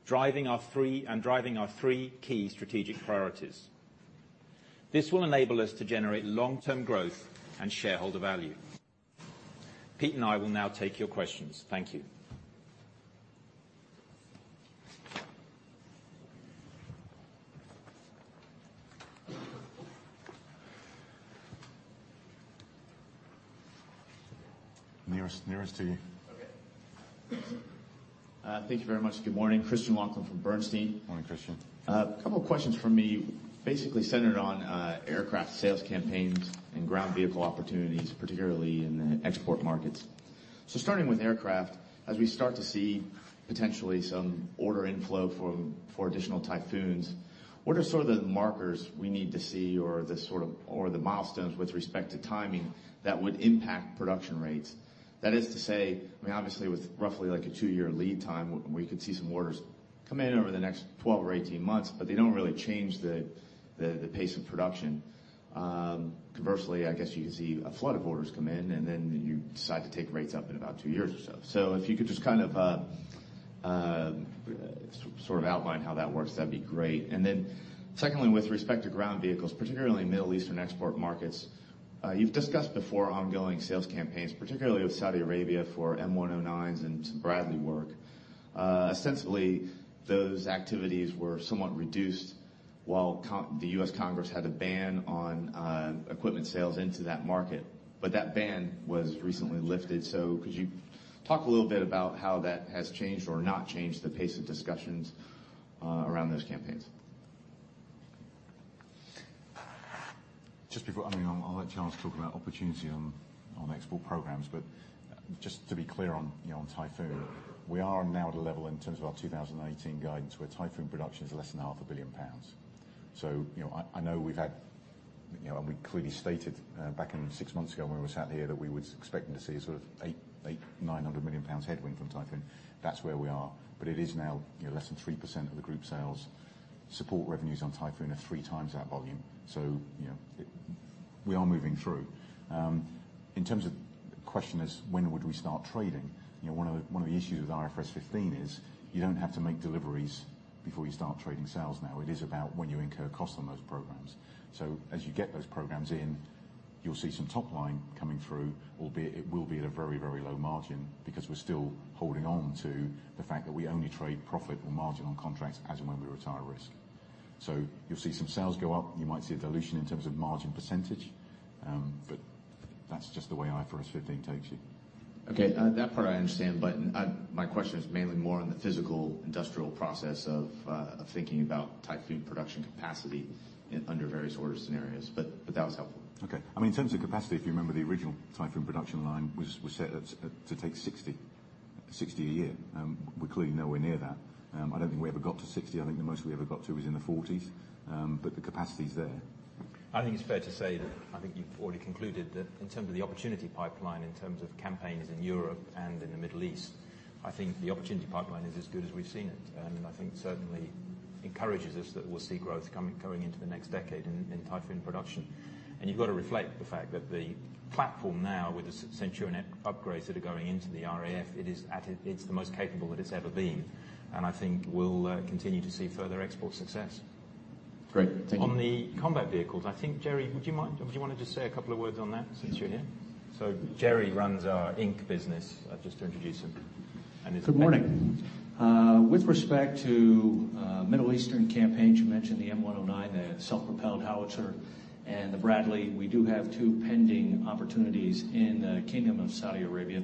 and driving our three key strategic priorities. This will enable us to generate long-term growth and shareholder value. Pete and I will now take your questions. Thank you. Nearest to you. Okay. Thank you very much. Good morning, Christian Locklyn from Bernstein. Morning, Christian. A couple questions from me, basically centered on aircraft sales campaigns and ground vehicle opportunities, particularly in the export markets. Starting with aircraft, as we start to see potentially some order inflow for additional Typhoons, what are sort of the markers we need to see or the milestones with respect to timing that would impact production rates? That is to say, obviously, with roughly a two-year lead time, we could see some orders come in over the next 12 or 18 months, but they don't really change the pace of production. Conversely, I guess you could see a flood of orders come in, and then you decide to take rates up in about two years or so. If you could just sort of outline how that works, that'd be great. Secondly, with respect to ground vehicles, particularly in Middle Eastern export markets, you have discussed before ongoing sales campaigns, particularly with Saudi Arabia for M109s and some Bradley work. Sensibly, those activities were somewhat reduced while the U.S. Congress had a ban on equipment sales into that market. That ban was recently lifted, could you talk a little bit about how that has changed or not changed the pace of discussions around those campaigns? I will let Charles talk about opportunity on export programs, just to be clear on Typhoon, we are now at a level in terms of our 2018 guidance where Typhoon production is less than half a billion GBP. I know we have had, we clearly stated back 6 months ago when we were sat here that we were expecting to see a sort of 800 million, 900 million pounds headwind from Typhoon. That is where we are. It is now less than 3% of the group sales. Support revenues on Typhoon are 3 times that volume. We are moving through. In terms of the question is when would we start trading? One of the issues with IFRS 15 is you do not have to make deliveries before you start trading sales now. It is about when you incur cost on those programs. As you get those programs in, you will see some top line coming through, albeit it will be at a very, very low margin because we are still holding on to the fact that we only trade profit or margin on contracts as and when we retire risk. You will see some sales go up. You might see a dilution in terms of margin percentage, that is just the way IFRS 15 takes you. Okay. That part I understand, my question is mainly more on the physical industrial process of thinking about Typhoon production capacity under various order scenarios. That was helpful. Okay. In terms of capacity, if you remember, the original Typhoon production line was set to take 60 a year. We're clearly nowhere near that. I don't think we ever got to 60. I think the most we ever got to was in the 40s, but the capacity's there. I think it's fair to say that I think you've already concluded that in terms of the opportunity pipeline, in terms of campaigns in Europe and in the Middle East, I think the opportunity pipeline is as good as we've seen it. I think certainly encourages us that we'll see growth going into the next decade in Typhoon production. You've got to reflect the fact that the platform now, with the Centurion upgrades that are going into the RAF, it's the most capable that it's ever been, and I think we'll continue to see further export success. Great, thank you. On the combat vehicles, I think, Jerry, would you want to just say a couple of words on that since you're here? Jerry runs our Inc. business, just to introduce him. Good morning. With respect to Middle Eastern campaigns, you mentioned the M109, the self-propelled howitzer, and the Bradley. We do have two pending opportunities in the Kingdom of Saudi Arabia.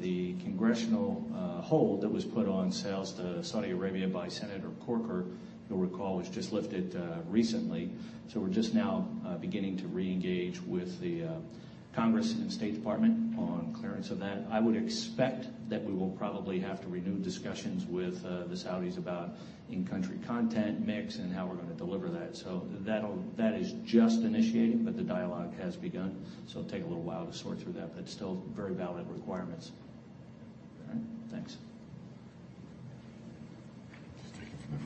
The congressional hold that was put on sales to Saudi Arabia by Senator Corker, you'll recall, was just lifted recently. We're just now beginning to reengage with the Congress and State Department on clearance of that. I would expect that we will probably have to renew discussions with the Saudis about in-country content mix and how we're going to deliver that. That is just initiating, but the dialogue has begun. It'll take a little while to sort through that, but still very valid requirements. All right. Thanks. Just take it from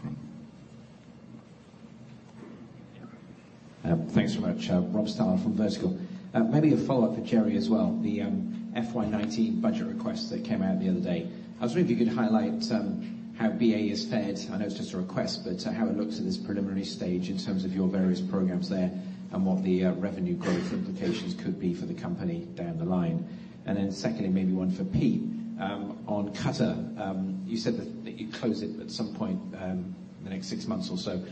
the front. Thanks so much. Rob Stallard from Vertical. Maybe a follow-up for Jerry as well. The FY 2019 budget request that came out the other day, I was wondering if you could highlight how BAE has fared. I know it's just a request, but how it looks at this preliminary stage in terms of your various programs there and what the revenue growth implications could be for the company down the line. Secondly, maybe one for Pete. On Qatar, you said that you'd close it at some point in the next six months or so.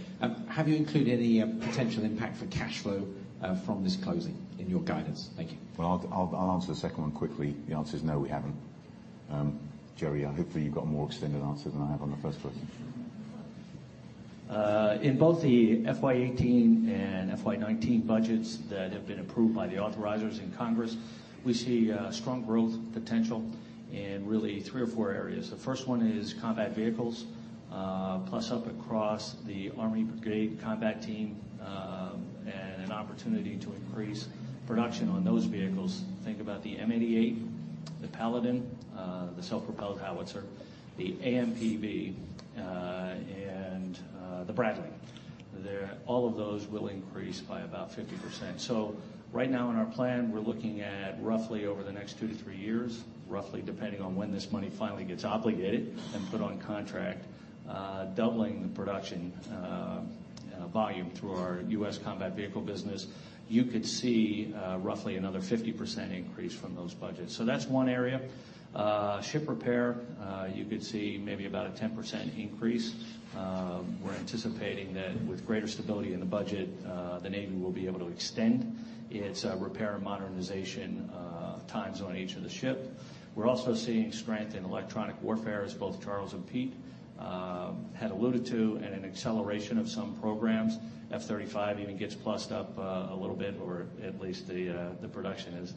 Have you included any potential impact for cash flow from this closing in your guidance? Thank you. Well, I'll answer the second one quickly. The answer is no, we haven't. Jerry, hopefully, you've got a more extended answer than I have on the first question. In both the FY 2018 and FY 2019 budgets that have been approved by the authorizers in Congress, we see strong growth potential in really three or four areas. The first one is combat vehicles, plus-up across the Army brigade combat team, and an opportunity to increase production on those vehicles. Think about the M88, the Paladin, the self-propelled howitzer, the AMPV, and the Bradley. All of those will increase by about 50%. Right now in our plan, we're looking at roughly over the next two to three years, roughly depending on when this money finally gets obligated and put on contract, doubling the production volume through our U.S. combat vehicle business. You could see roughly another 50% increase from those budgets. That's one area. Ship repair, you could see maybe about a 10% increase. We're anticipating that with greater stability in the budget, the Navy will be able to extend its repair and modernization times on each of the ship. We're also seeing strength in electronic warfare, as both Charles and Pete had alluded to, and an acceleration of some programs. F-35 even gets plussed up a little bit, or at least the production is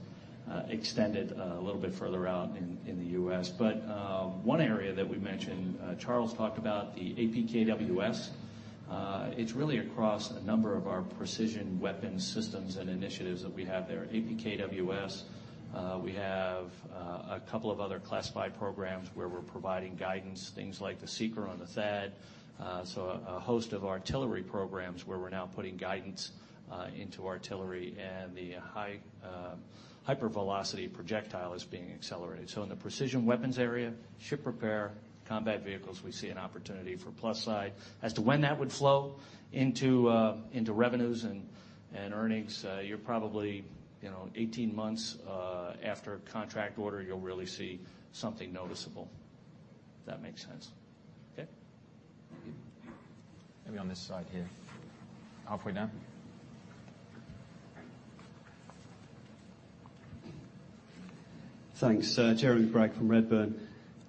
extended a little bit further out in the U.S. But one area that we mentioned, Charles talked about the APKWS. It's really across a number of our precision weapons systems and initiatives that we have there. APKWS, we have a couple of other classified programs where we're providing guidance, things like the seeker on the THAAD. A host of artillery programs where we're now putting guidance into artillery, and the Hypervelocity Projectile is being accelerated. In the precision weapons area, ship repair, combat vehicles, we see an opportunity for plus side. As to when that would flow into revenues and earnings, you're probably 18 months after contract order, you'll really see something noticeable, if that makes sense. Okay. Maybe on this side here. Halfway down. Thanks. Jeremy Bragg from Redburn.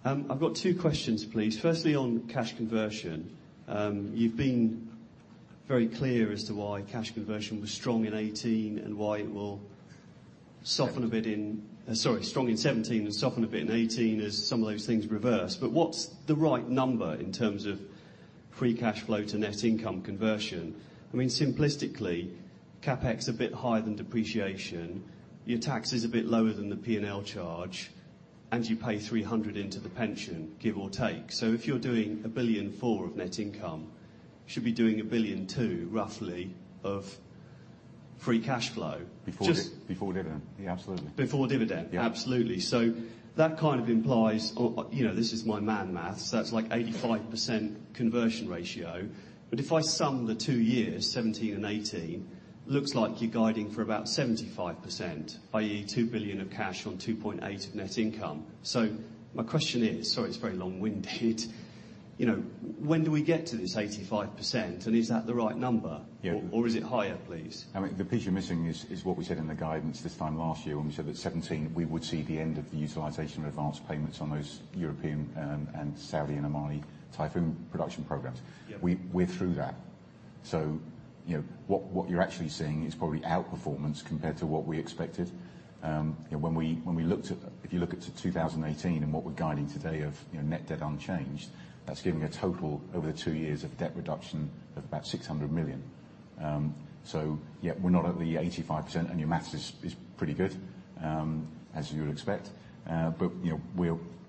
I've got two questions, please. Firstly, on cash conversion. You've been very clear as to why cash conversion was strong in 2018 and why it will soften a bit. Sorry, strong in 2017 and soften a bit in 2018 as some of those things reverse. What's the right number in terms of free cash flow to net income conversion? Simplistically, CapEx a bit higher than depreciation. Your tax is a bit lower than the P&L charge. You pay 300 into the pension, give or take. If you're doing 1.4 billion of net income, you should be doing 1.2 billion, roughly, of free cash flow. Before dividend. Yeah, absolutely. Before dividend. Yeah. Absolutely. That kind of implies, this is my man math, that's like 85% conversion ratio. If I sum the two years, 2017 and 2018, looks like you're guiding for about 75%, i.e. 2 billion of cash on 2.8 billion of net income. My question is, sorry it's very long-winded when do we get to this 85% and is that the right number? Yeah. Is it higher, please? The piece you're missing is what we said in the guidance this time last year when we said that 2017 we would see the end of the utilization of advanced payments on those European and Saudi and Emirati Typhoon production programs. Yeah. We're through that. What you're actually seeing is probably out-performance compared to what we expected. If you look at to 2018 and what we're guiding today of net debt unchanged, that's giving a total over the two years of debt reduction of about 600 million. Yeah, we're not at the 85%, and your maths is pretty good, as you would expect.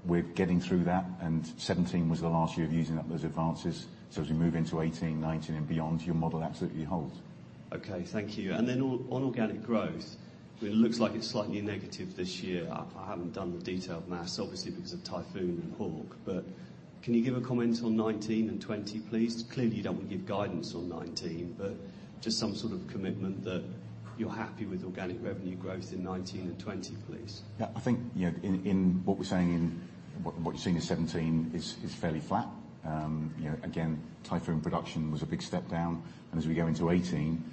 We're getting through that, and 2017 was the last year of using up those advances. As we move into 2018, 2019 and beyond, your model absolutely holds. Okay, thank you. On organic growth, it looks like it's slightly negative this year. I haven't done the detailed maths, obviously because of Typhoon and Hawk, can you give a comment on 2019 and 2020, please? Clearly you don't want to give guidance on 2019, just some sort of commitment that you're happy with organic revenue growth in 2019 and 2020, please. Yeah, I think what we're saying in what you're seeing is 2017 is fairly flat. As we go into 2018,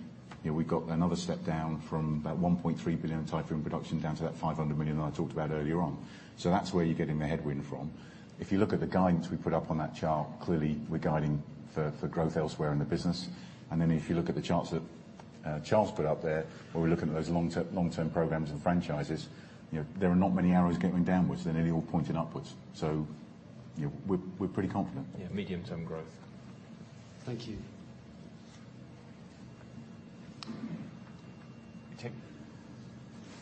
we've got another step down from that 1.3 billion in Typhoon production down to that 500 million that I talked about earlier on. That's where you're getting the headwind from. If you look at the guidance we put up on that chart, clearly we're guiding for growth elsewhere in the business. If you look at the charts that Charles put up there, where we're looking at those long-term programs and franchises, there are not many arrows going downwards. They're nearly all pointing upwards. We're pretty confident. Yeah, medium-term growth. Thank you. We take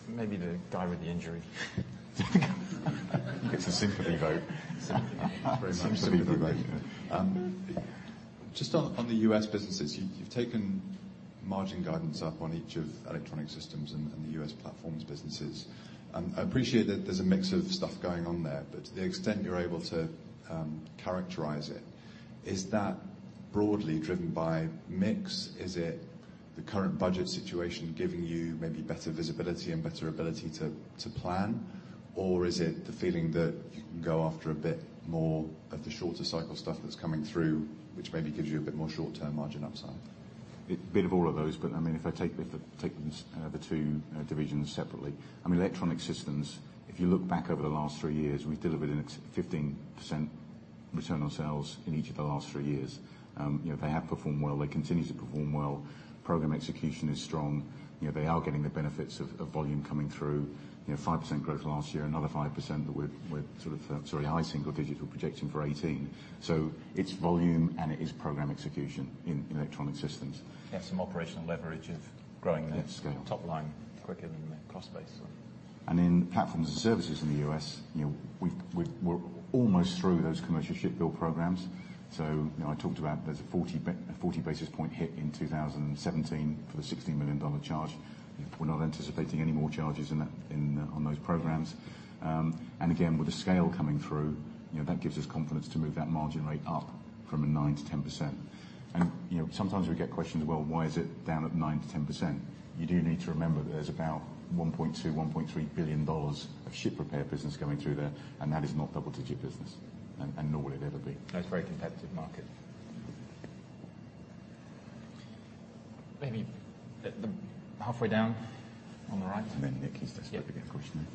maybe the guy with the injury. It's a sympathy vote. Sympathy. Very much a sympathy vote. Just on the U.S. businesses, you've taken margin guidance up on each of Electronic Systems and the U.S. Platforms businesses. I appreciate that there's a mix of stuff going on there, to the extent you're able to characterize it, is that broadly driven by mix? Is it the current budget situation giving you maybe better visibility and better ability to plan? Or is it the feeling that you can go after a bit more of the shorter cycle stuff that's coming through, which maybe gives you a bit more short-term margin upside? A bit of all of those, if I take the two divisions separately. I mean, Electronic Systems, if you look back over the last three years, we've delivered a 15% return on sales in each of the last three years. They have performed well. They continue to perform well. Program execution is strong. They are getting the benefits of volume coming through. 5% growth last year, another 5% that we're sort of, sorry, high single-digit projection for 2018. It's volume and it is program execution in Electronic Systems. Yeah, some operational leverage of growing. Yeah, scale. Top line quicker than the cost base. In Platforms and Services in the U.S., we're almost through those commercial ship build programs. I talked about there's a 40 basis point hit in 2017 for the $60 million charge. We're not anticipating any more charges on those programs. Again, with the scale coming through, that gives us confidence to move that margin rate up from a 9%-10%. Sometimes we get questions, well, why is it down at 9%-10%? You do need to remember that there's about $1.2 billion, $1.3 billion of ship repair business going through there, and that is not double-digit business, and nor would it ever be. No, it's a very competitive market. Maybe halfway down on the right. Nick, he's desperate to get a question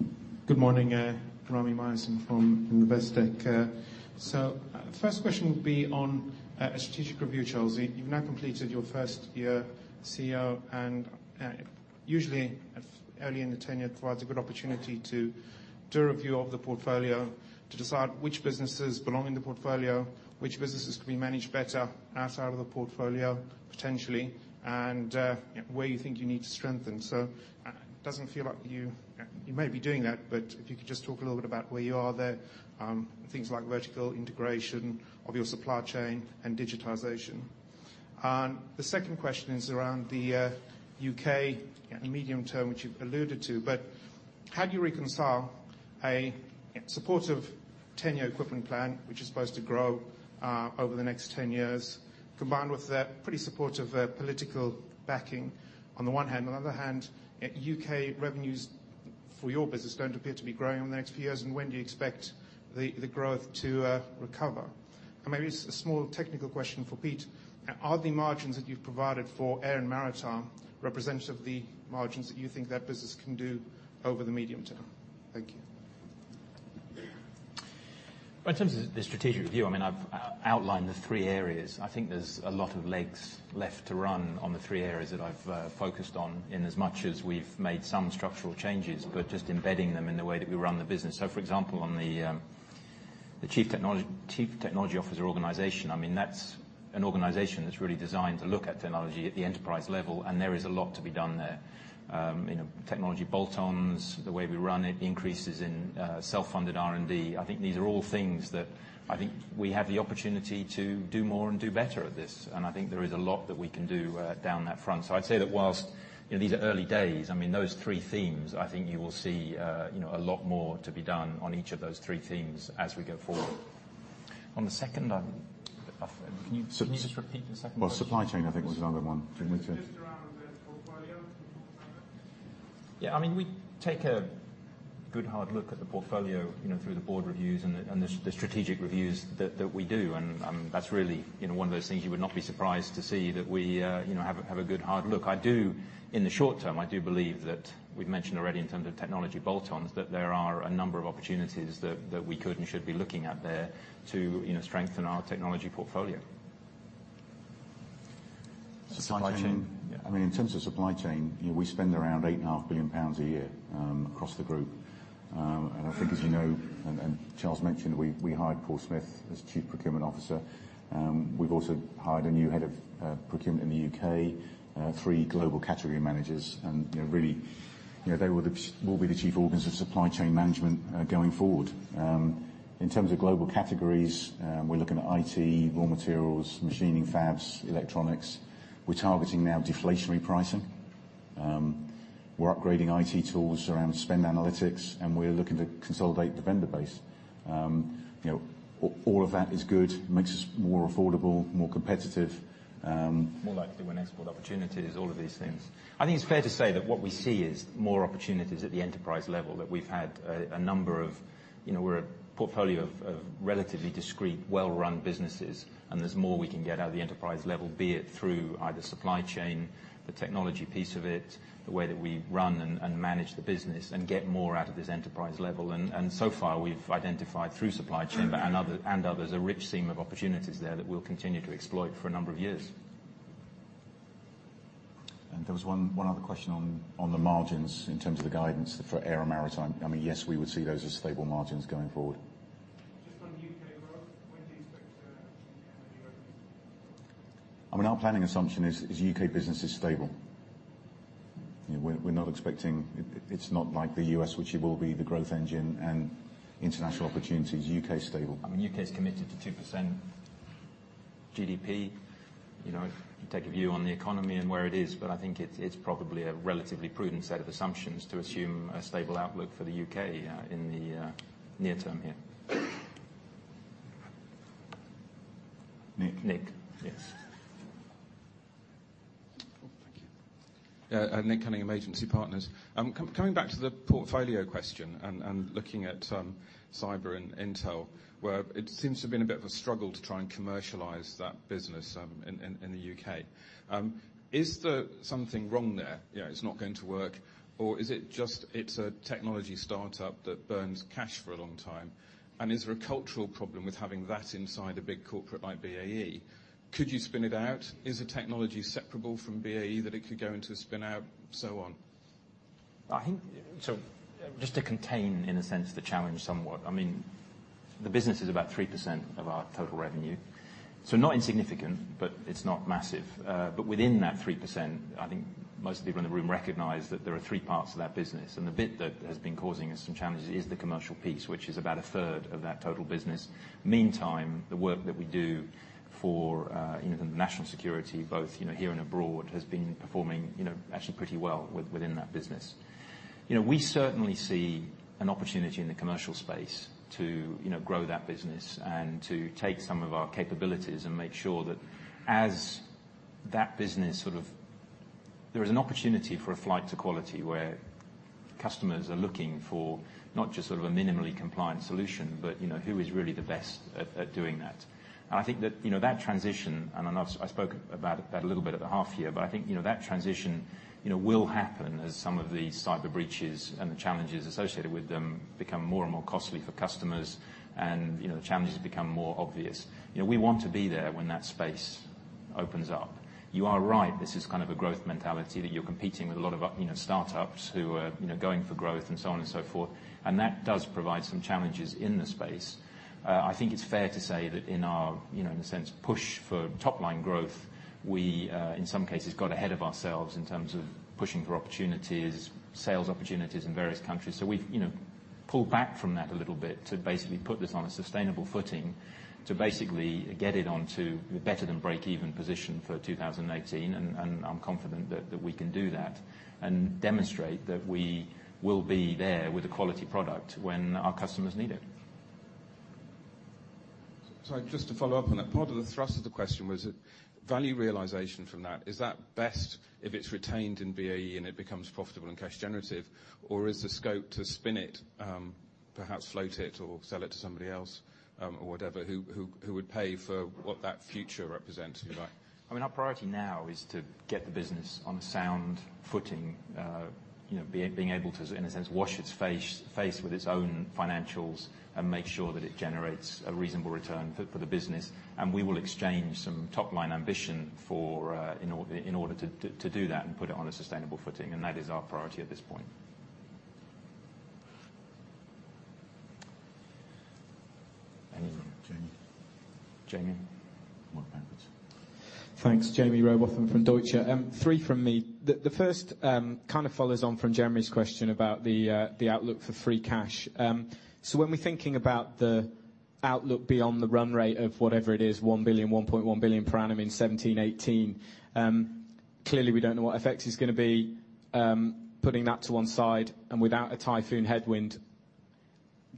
in. Good morning. Rami Myerson from Investec. First question would be on a strategic review, Charles. You've now completed your first year CEO, usually early in the tenure provides a good opportunity to do a review of the portfolio to decide which businesses belong in the portfolio, which businesses could be managed better outside of the portfolio, potentially, and where you think you need to strengthen. Doesn't feel like you may be doing that, but if you could just talk a little bit about where you are there, things like vertical integration of your supply chain and digitization. The second question is around the U.K. in the medium term, which you've alluded to, but how do you reconcile a supportive 10-year equipment plan, which is supposed to grow over the next 10 years, combined with that pretty supportive political backing on the one hand. On the other hand, U.K. revenues for your business don't appear to be growing in the next few years, when do you expect the growth to recover? Maybe just a small technical question for Pete. Are the margins that you've provided for Air and Maritime representative of the margins that you think that business can do over the medium term? Thank you. Well, in terms of the strategic review, I've outlined the three areas. I think there's a lot of legs left to run on the three areas that I've focused on in as much as we've made some structural changes, but just embedding them in the way that we run the business. The Chief Technology Officer organization, that's an organization that's really designed to look at technology at the enterprise level, and there is a lot to be done there. Technology bolt-ons, the way we run it, increases in self-funded R&D. I think these are all things that we have the opportunity to do more and do better at this, and I think there is a lot that we can do down that front. I'd say that whilst these are early days, those three themes, I think you will see a lot more to be done on each of those three themes as we go forward. On the second, can you just repeat the second one? Well, supply chain, I think, was the other one. Just around the portfolio. Yeah, we take a good hard look at the portfolio through the board reviews and the strategic reviews that we do. That's really one of those things you would not be surprised to see that we have a good hard look. In the short term, I do believe that we've mentioned already in terms of technology bolt-ons, that there are a number of opportunities that we could and should be looking at there to strengthen our technology portfolio. Supply chain? Supply chain. In terms of supply chain, we spend around 8.5 billion pounds a year, across the group. I think as you know, and Charles mentioned, we hired Paul Smith as Chief Procurement Officer. We've also hired a new head of procurement in the U.K., three global category managers. Really, they will be the chief organs of supply chain management, going forward. In terms of global categories, we're looking at IT, raw materials, machining fabs, electronics. We're targeting now deflationary pricing. We're upgrading IT tools around spend analytics. We're looking to consolidate the vendor base. All of that is good. It makes us more affordable, more competitive. More likely to win export opportunities, all of these things. I think it's fair to say that what we see is more opportunities at the enterprise level, that We're a portfolio of relatively discrete, well-run businesses, and there's more we can get out of the enterprise level, be it through either supply chain, the technology piece of it, the way that we run and manage the business and get more out of this enterprise level. So far, we've identified through supply chain and others, a rich seam of opportunities there that we'll continue to exploit for a number of years. There was one other question on the margins in terms of the guidance for Air and Maritime. Yes, we would see those as stable margins going forward. Just on the U.K. growth, when do you expect to change Our planning assumption is U.K. business is stable. It's not like the U.S., which it will be the growth engine and international opportunities, U.K. is stable. U.K.'s committed to 2% GDP. I think it's probably a relatively prudent set of assumptions to assume a stable outlook for the U.K. in the near term here. Nick. Nick, Yes. Thank you. Nick Cunningham, Agency Partners. Coming back to the portfolio question and looking at cyber and intel, where it seems to have been a bit of a struggle to try and commercialize that business in the U.K. Is there something wrong there, it's not going to work? Is it just, it's a technology startup that burns cash for a long time? Is there a cultural problem with having that inside a big corporate like BAE? Could you spin it out? Is the technology separable from BAE that it could go into a spin-out, so on? Just to contain, in a sense, the challenge somewhat. The business is about 3% of our total revenue, so not insignificant, it's not massive. Within that 3%, I think most people in the room recognize that there are three parts to that business, and the bit that has been causing us some challenges is the commercial piece, which is about a third of that total business. Meantime, the work that we do for the national security, both here and abroad, has been performing actually pretty well within that business. We certainly see an opportunity in the commercial space to grow that business and to take some of our capabilities and make sure that as that business there is an opportunity for a flight to quality where customers are looking for not just sort of a minimally compliant solution, but who is really the best at doing that. I think that transition, and I spoke about it a little bit at the half year, I think that transition will happen as some of the cyber breaches and the challenges associated with them become more and more costly for customers and the challenges become more obvious. We want to be there when that space opens up. You are right, this is kind of a growth mentality, that you're competing with a lot of startups who are going for growth and so on and so forth. That does provide some challenges in the space. I think it's fair to say that in our, in a sense, push for top-line growth, we, in some cases, got ahead of ourselves in terms of pushing for opportunities, sales opportunities in various countries. We've pulled back from that a little bit to basically put this on a sustainable footing to basically get it onto better than break-even position for 2018. I'm confident that we can do that and demonstrate that we will be there with a quality product when our customers need it. Sorry, just to follow up on that. Part of the thrust of the question was that value realization from that, is that best if it's retained in BAE and it becomes profitable and cash generative, or is the scope to spin it, perhaps float it or sell it to somebody else, or whatever, who would pay for what that future represents? Our priority now is to get the business on a sound footing, being able to, in a sense, wash its face with its own financials and make sure that it generates a reasonable return for the business. We will exchange some top-line ambition in order to do that and put it on a sustainable footing, and that is our priority at this point. Jamie? Jamie. Mark Edwards. Thanks. Jamie Rowbotham from Deutsche Bank. Three from me. The first kind of follows on from Jeremy Bragg's question about the outlook for free cash. When we're thinking about the outlook beyond the run rate of whatever it is, 1 billion, 1.1 billion per annum in 2017, 2018, clearly, we don't know what FX is going to be, putting that to one side, and without a Typhoon headwind,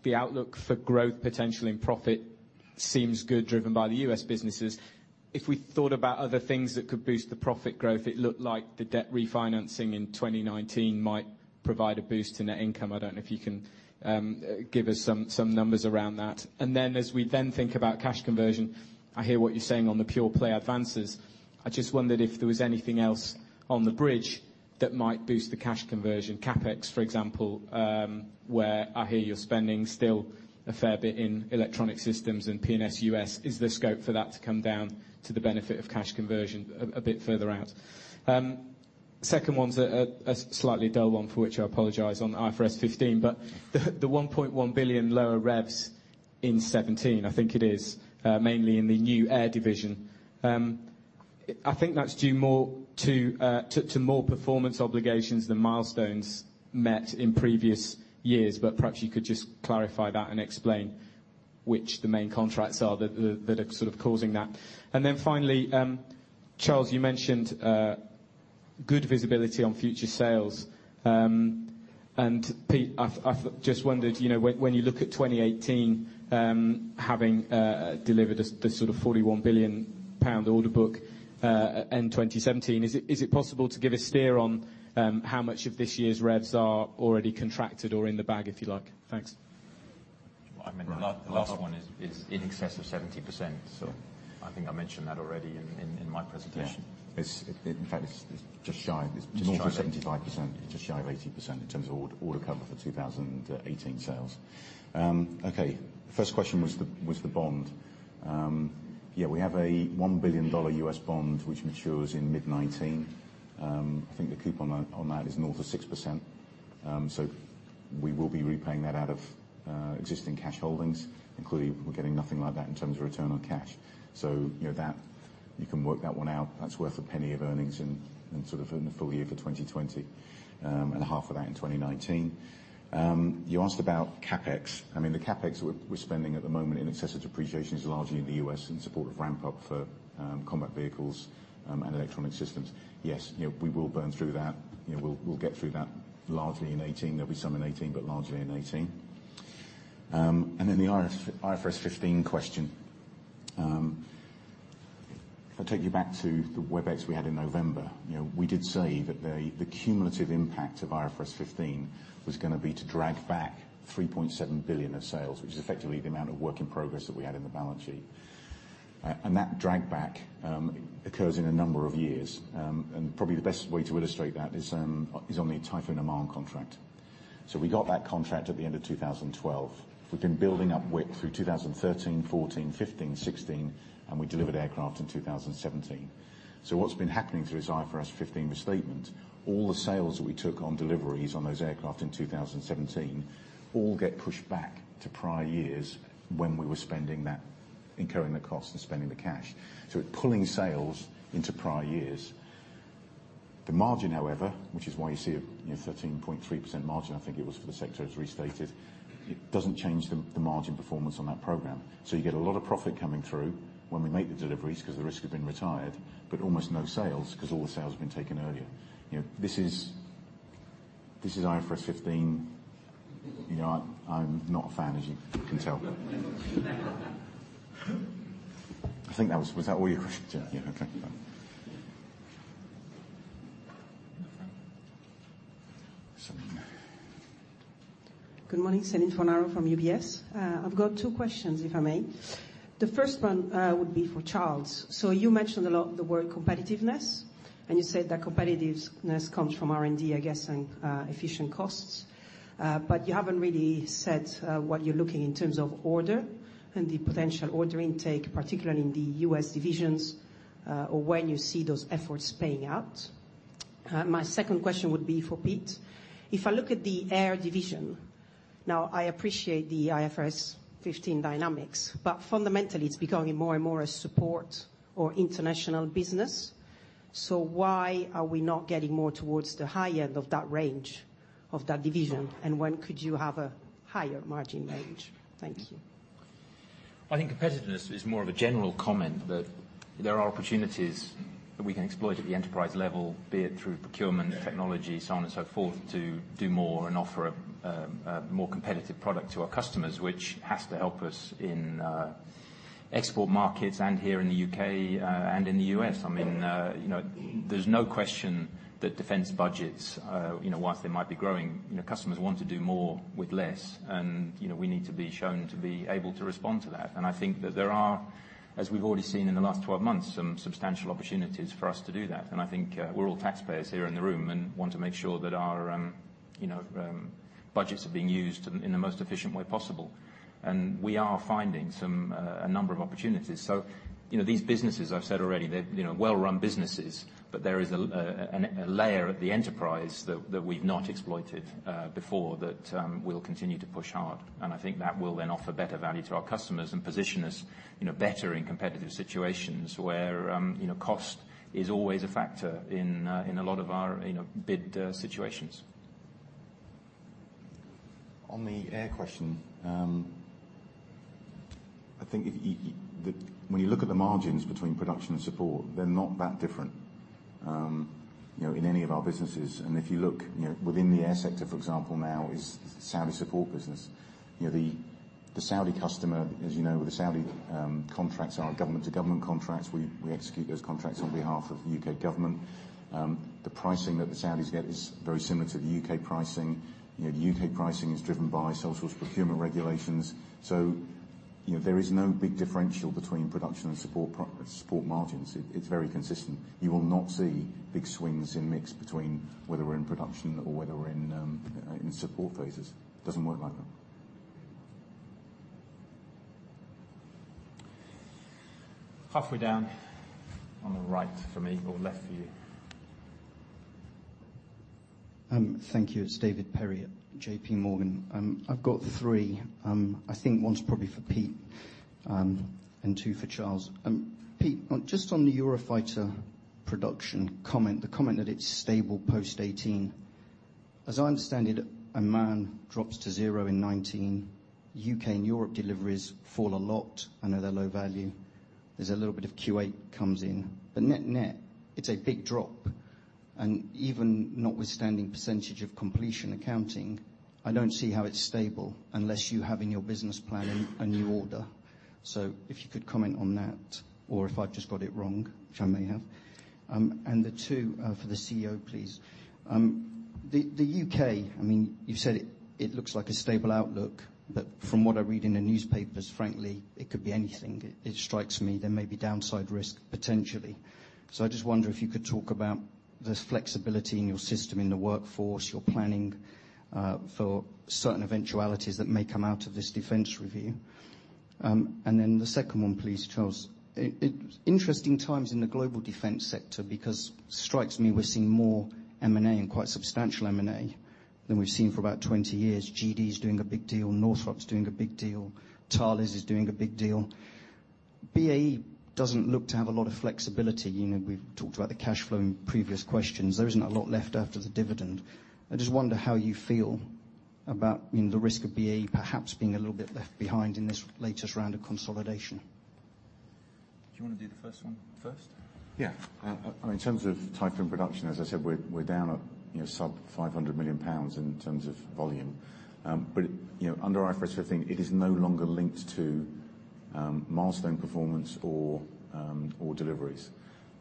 the outlook for growth potential in profit seems good, driven by the U.S. businesses. If we thought about other things that could boost the profit growth, it looked like the debt refinancing in 2019 might provide a boost to net income. I don't know if you can give us some numbers around that. As we then think about cash conversion, I hear what you're saying on the pure play advances. I just wondered if there was anything else on the bridge that might boost the cash conversion, CapEx, for example, where I hear you're spending still a fair bit in electronic systems and P&S U.S. Is there scope for that to come down to the benefit of cash conversion a bit further out? Second one's a slightly dull one, for which I apologize, on IFRS 15. The 1.1 billion lower revs in 2017, I think it is, mainly in the new Air division. I think that's due more to more performance obligations than milestones met in previous years, but perhaps you could just clarify that and explain which the main contracts are that are sort of causing that. Finally, Charles, you mentioned good visibility on future sales. Pete, I just wondered, when you look at 2018, having delivered the sort of 41 billion pound order book, end 2017, is it possible to give a steer on how much of this year's revs are already contracted or in the bag, if you like? Thanks. Well, I mean, the last one is in excess of 70%, I think I mentioned that already in my presentation. Yeah. In fact, it's just shy of- Just shy of- It's north of 75%, just shy of 80% in terms of order cover for 2018 sales. Okay. First question was the bond. Yeah, we have a $1 billion U.S. bond, which matures in mid 2019. I think the coupon on that is north of 6%, we will be repaying that out of existing cash holdings, including, we're getting nothing like that in terms of return on cash. You can work that one out. That's worth a penny of earnings in sort of the full year for 2020, and half of that in 2019. You asked about CapEx. I mean, the CapEx we're spending at the moment, in excess of depreciation, is largely in the U.S. in support of ramp-up for combat vehicles and electronic systems. Yes, we will burn through that. We'll get through that largely in 2018. There'll be some in 2018, but largely in 2018. The IFRS 15 question. If I take you back to the Webex we had in November, we did say that the cumulative impact of IFRS 15 was going to be to drag back 3.7 billion of sales, which is effectively the amount of work in progress that we had in the balance sheet. That drag back occurs in a number of years, and probably the best way to illustrate that is on the Typhoon Oman contract. We got that contract at the end of 2012. We've been building up WIP through 2013, 2014, 2015, 2016, and we delivered aircraft in 2017. What's been happening through this IFRS 15 restatement, all the sales that we took on deliveries on those aircraft in 2017, all get pushed back to prior years when we were incurring the cost and spending the cash. It's pulling sales into prior years. The margin, however, which is why you see a 13.3% margin, I think it was, for the sector as restated, it doesn't change the margin performance on that program. You get a lot of profit coming through when we make the deliveries, because the risks have been retired, but almost no sales, because all the sales have been taken earlier. This is IFRS 15. I'm not a fan, as you can tell. Was that all your questions? Yeah. Okay, bye. In the front. There's something. Good morning. Céline Fornaro from UBS. I've got two questions, if I may. The first one would be for Charles. You mentioned a lot the word competitiveness, and you said that competitiveness comes from R&D, I guess, and efficient costs. You haven't really said what you're looking in terms of order and the potential order intake, particularly in the U.S. divisions, or when you see those efforts paying out. My second question would be for Pete. If I look at the Air division, now, I appreciate the IFRS 15 dynamics, but fundamentally, it's becoming more and more a support or international business. Why are we not getting more towards the high end of that range of that division? Sure. When could you have a higher margin range? Thank you. I think competitiveness is more of a general comment that there are opportunities that we can exploit at the enterprise level, be it through procurement, technology, so on and so forth, to do more and offer a more competitive product to our customers, which has to help us in export markets and here in the U.K. and in the U.S. I mean, there's no question that defense budgets, whilst they might be growing, customers want to do more with less, and we need to be shown to be able to respond to that. I think that there are, as we've already seen in the last 12 months, some substantial opportunities for us to do that. I think we're all taxpayers here in the room and want to make sure that our Budgets are being used in the most efficient way possible, and we are finding a number of opportunities. These businesses, I've said already, they're well-run businesses, but there is a layer at the enterprise that we've not exploited before, that we'll continue to push hard. I think that will then offer better value to our customers and position us better in competitive situations, where cost is always a factor in a lot of our bid situations. On the air question, I think when you look at the margins between production and support, they're not that different in any of our businesses. If you look within the air sector, for example, now is Saudi support business. The Saudi customer, as you know, the Saudi contracts are government-to-government contracts. We execute those contracts on behalf of the U.K. government. The pricing that the Saudis get is very similar to the U.K. pricing. The U.K. pricing is driven by Single Source Contract Regulations. There is no big differential between production and support margins. It's very consistent. You will not see big swings in mix between whether we're in production or whether we're in support phases. It doesn't work like that. Halfway down on the right for me or left for you. Thank you. It's David Perry at JPMorgan. I've got three. I think one's probably for Pete, and two for Charles. Pete, just on the Eurofighter production comment, the comment that it's stable post 2018. As I understand it, Oman drops to zero in 2019. U.K. and Europe deliveries fall a lot. I know they're low value. There's a little bit of Kuwait comes in. But net-net, it's a big drop, and even notwithstanding percentage of completion accounting, I don't see how it's stable unless you have in your business plan a new order. If you could comment on that or if I've just got it wrong, which I may have. The two for the CEO, please. The U.K., you said it looks like a stable outlook, but from what I read in the newspapers, frankly, it could be anything. It strikes me there may be downside risk, potentially. I just wonder if you could talk about the flexibility in your system, in the workforce, your planning for certain eventualities that may come out of this defense review. The second one, please, Charles. Interesting times in the global defense sector because it strikes me we're seeing more M&A and quite substantial M&A than we've seen for about 20 years. GD's doing a big deal. Northrop's doing a big deal. Thales is doing a big deal. BAE doesn't look to have a lot of flexibility. We've talked about the cash flow in previous questions. There isn't a lot left after the dividend. I just wonder how you feel about the risk of BAE perhaps being a little bit left behind in this latest round of consolidation. Do you want to do the first one first? Yeah. In terms of Typhoon production, as I said, we're down at sub 500 million pounds in terms of volume. Under IFRS 15, it is no longer linked to milestone performance or deliveries.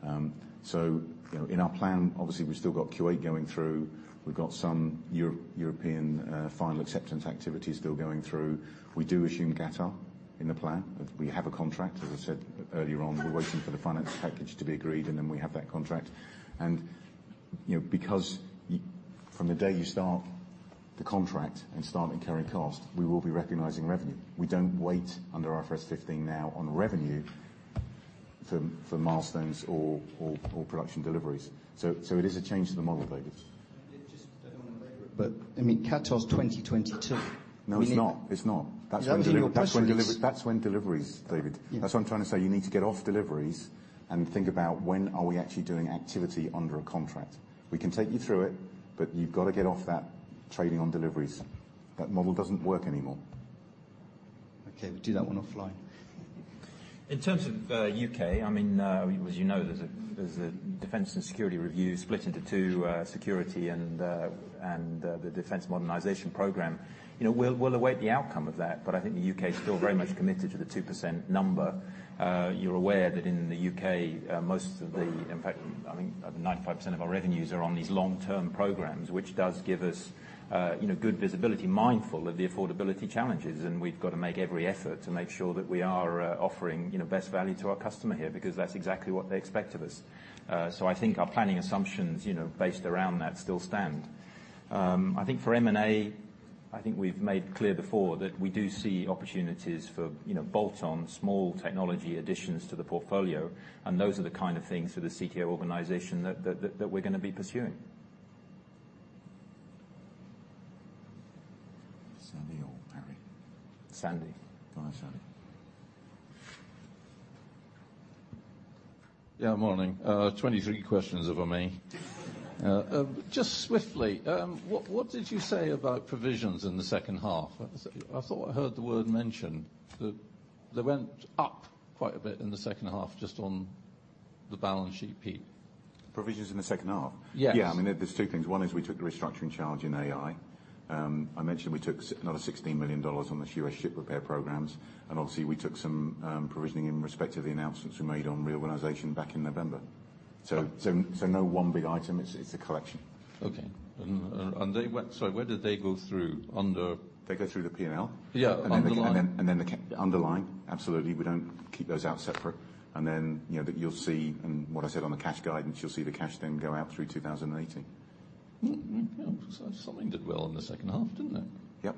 In our plan, obviously, we've still got Kuwait going through. We've got some European final acceptance activity still going through. We do assume Qatar in the plan. We have a contract. As I said earlier on, we're waiting for the finance package to be agreed, and then we have that contract. Because from the day you start the contract and start incurring cost, we will be recognizing revenue. We don't wait under IFRS 15 now on revenue for milestones or production deliveries. It is a change to the model, David. Just, I don't want to labor it, Qatar's 2022. No, it's not. It's not. You're under new pressures. That's when delivery's, David. Yeah. That's what I'm trying to say. You need to get off deliveries and think about when are we actually doing activity under a contract. We can take you through it, but you've got to get off that trading on deliveries. That model doesn't work anymore. Okay, we'll do that one offline. In terms of U.K., as you know, there's a defense and security review split into two, security and the defense modernization program. We'll await the outcome of that, but I think the U.K. is still very much committed to the 2% number. You're aware that in the U.K., most of the-- in fact, I think 95% of our revenues are on these long-term programs, which does give us good visibility, mindful of the affordability challenges, and we've got to make every effort to make sure that we are offering best value to our customer here, because that's exactly what they expect of us. I think our planning assumptions based around that still stand. I think for M&A, I think we've made clear before that we do see opportunities for bolt-on small technology additions to the portfolio, and those are the kind of things for the CTO organization that we're going to be pursuing. Sandy or Harry? Sandy. All right, Sandy. Yeah, morning. 23 questions over me. Just swiftly, what did you say about provisions in the second half? I thought I heard the word mentioned, that they went up quite a bit in the second half just on the balance sheet peak. Provisions in the second half? Yes. Yeah. There's two things. One is we took the restructuring charge in AI. I mentioned we took another $16 million on the U.S. ship repair programs. Obviously, we took some provisioning in respect of the announcements we made on reorganization back in November. Okay. No one big item. It's a collection. Okay. Sorry, where did they go through under? They go through the P&L. Yeah, underlying? Underlying. Absolutely. We don't keep those out separate. You'll see, and what I said on the cash guidance, you'll see the cash then go out through 2018. Mm-hmm. Yeah. Something did well in the second half, didn't it?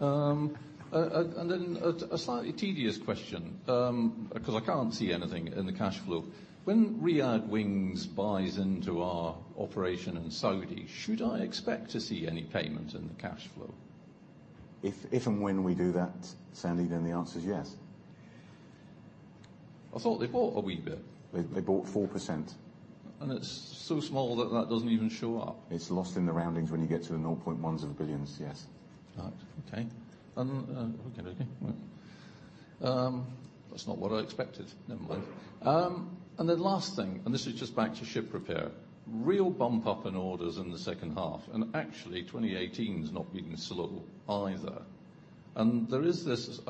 Yep. Then a slightly tedious question, because I can't see anything in the cash flow. When Riyadh Wings buys into our operation in Saudi, should I expect to see any payment in the cash flow? If and when we do that, Sandy, then the answer is yes. I thought they bought a wee bit. They bought 4%. It's so small that that doesn't even show up. It's lost in the roundings when you get to the 0.1s of billion, yes. Right. Okay. Okey-dokey. That's not what I expected. Never mind. Last thing, this is just back to ship repair. Real bump up in orders in the second half, and actually 2018's not been subtle either. I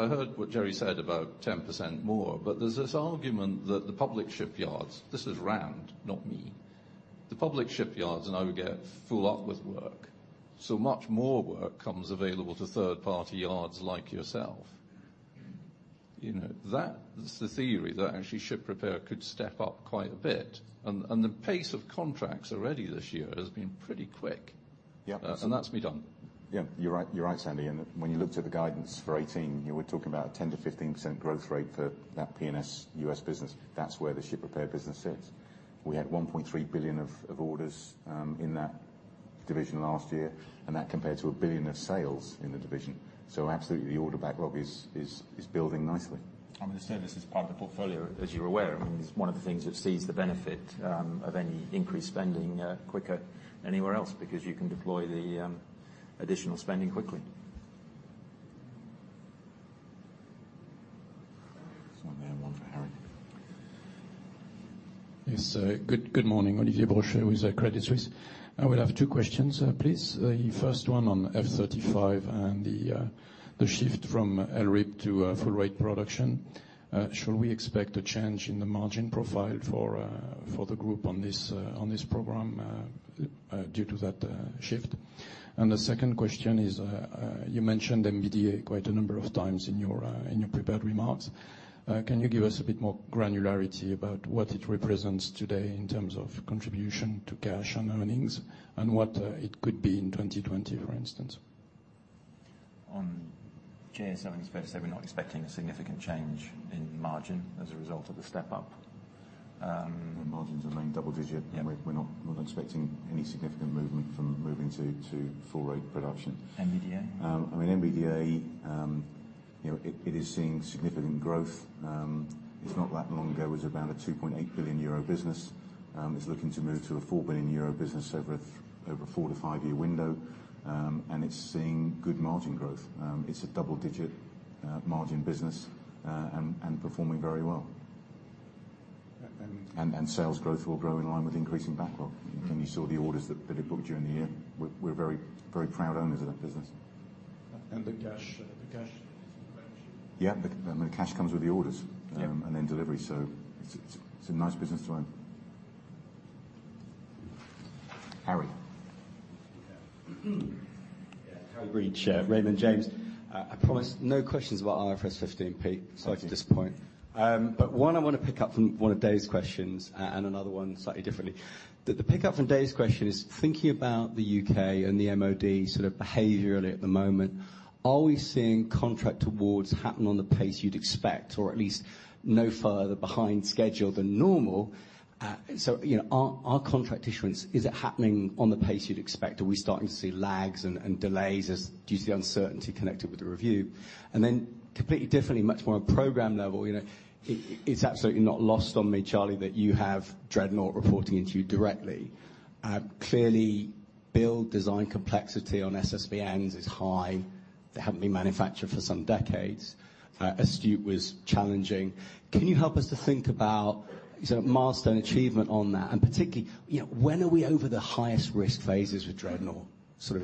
heard what Jerry said about 10% more, but there's this argument that the public shipyards, this is RAND, not me, the public shipyards now get full up with work. Much more work comes available to third-party yards like yourself. That's the theory that actually ship repair could step up quite a bit, and the pace of contracts already this year has been pretty quick. Yep. That's me done. Yeah, you're right, Sandy. When you looked at the guidance for 2018, you were talking about 10%-15% growth rate for that P&S US business. That's where the ship repair business sits. We had $1.3 billion of orders in that division last year. That compared to $1 billion of sales in the division. Absolutely, the order backlog is building nicely. The service is part of the portfolio, as you're aware. It's one of the things that sees the benefit of any increased spending quicker anywhere else, because you can deploy the additional spending quickly. There's one there, one for Harry. Yes. Good morning, Olivier Brochet with Credit Suisse. I would have two questions, please. The first one on F-35 and the shift from LRIP to full rate production. Should we expect a change in the margin profile for the group on this program due to that shift? The second question is, you mentioned MBDA quite a number of times in your prepared remarks. Can you give us a bit more granularity about what it represents today in terms of contribution to cash and earnings, and what it could be in 2020, for instance? On JSF, as I said, we're not expecting a significant change in margin as a result of the step-up. The margins remain double-digit. Yeah. We're not expecting any significant movement from moving to full rate production. MBDA? I mean, MBDA, it is seeing significant growth. It's not that long ago, it was around a 2.8 billion euro business. It's looking to move to a 4 billion euro business over a four to five-year window, and it's seeing good margin growth. It's a double-digit margin business, and performing very well. And- Sales growth will grow in line with increasing backlog. You saw the orders that it booked during the year. We're very proud owners of that business. The cash? Yeah. The cash comes with the orders. Yeah. Delivery, so it's a nice business to own. Harry. Yeah, Harry Reed, Raymond James. I promise no questions about IFRS 15, Pete, sorry to disappoint. Thank you. One I want to pick up from one of Dave's questions, and another one slightly differently. The pickup from Dave's question is thinking about the U.K. and the MOD sort of behaviorally at the moment, are we seeing contract awards happen on the pace you'd expect, or at least no further behind schedule than normal? Our contract issuance, is it happening on the pace you'd expect? Are we starting to see lags and delays due to the uncertainty connected with the review? Completely differently, much more on a program level, it's absolutely not lost on me, Charlie, that you have Dreadnought reporting into you directly. Clearly, build design complexity on SSBNs is high. They haven't been manufactured for some decades. Astute was challenging. Can you help us to think about milestone achievement on that, and particularly, when are we over the highest risk phases with Dreadnought? It's fair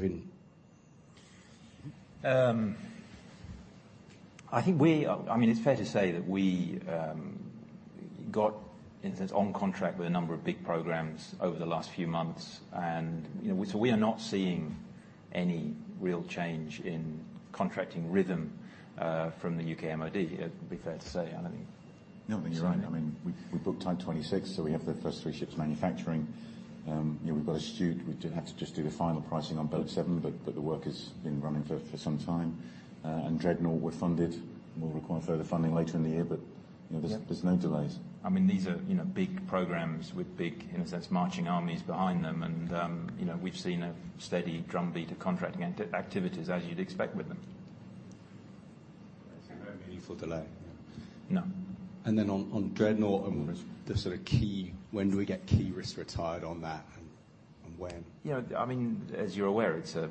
to say that we got, in a sense, on contract with a number of big programs over the last few months, we are not seeing any real change in contracting rhythm from the UK MOD, it'd be fair to say. I don't think No, I think you're right. We booked Type 26, so we have the first three ships manufacturing. We've got Astute. We do have to just do the final pricing on Build 7, but the work has been running for some time. Dreadnought, we're funded. We'll require further funding later in the year, but there's no delays. These are big programs with big, in a sense, marching armies behind them, and we've seen a steady drumbeat of contracting activities, as you'd expect with them. No meaningful delay. No. On Dreadnought, when do we get key risks retired on that, and when? As you're aware, it's a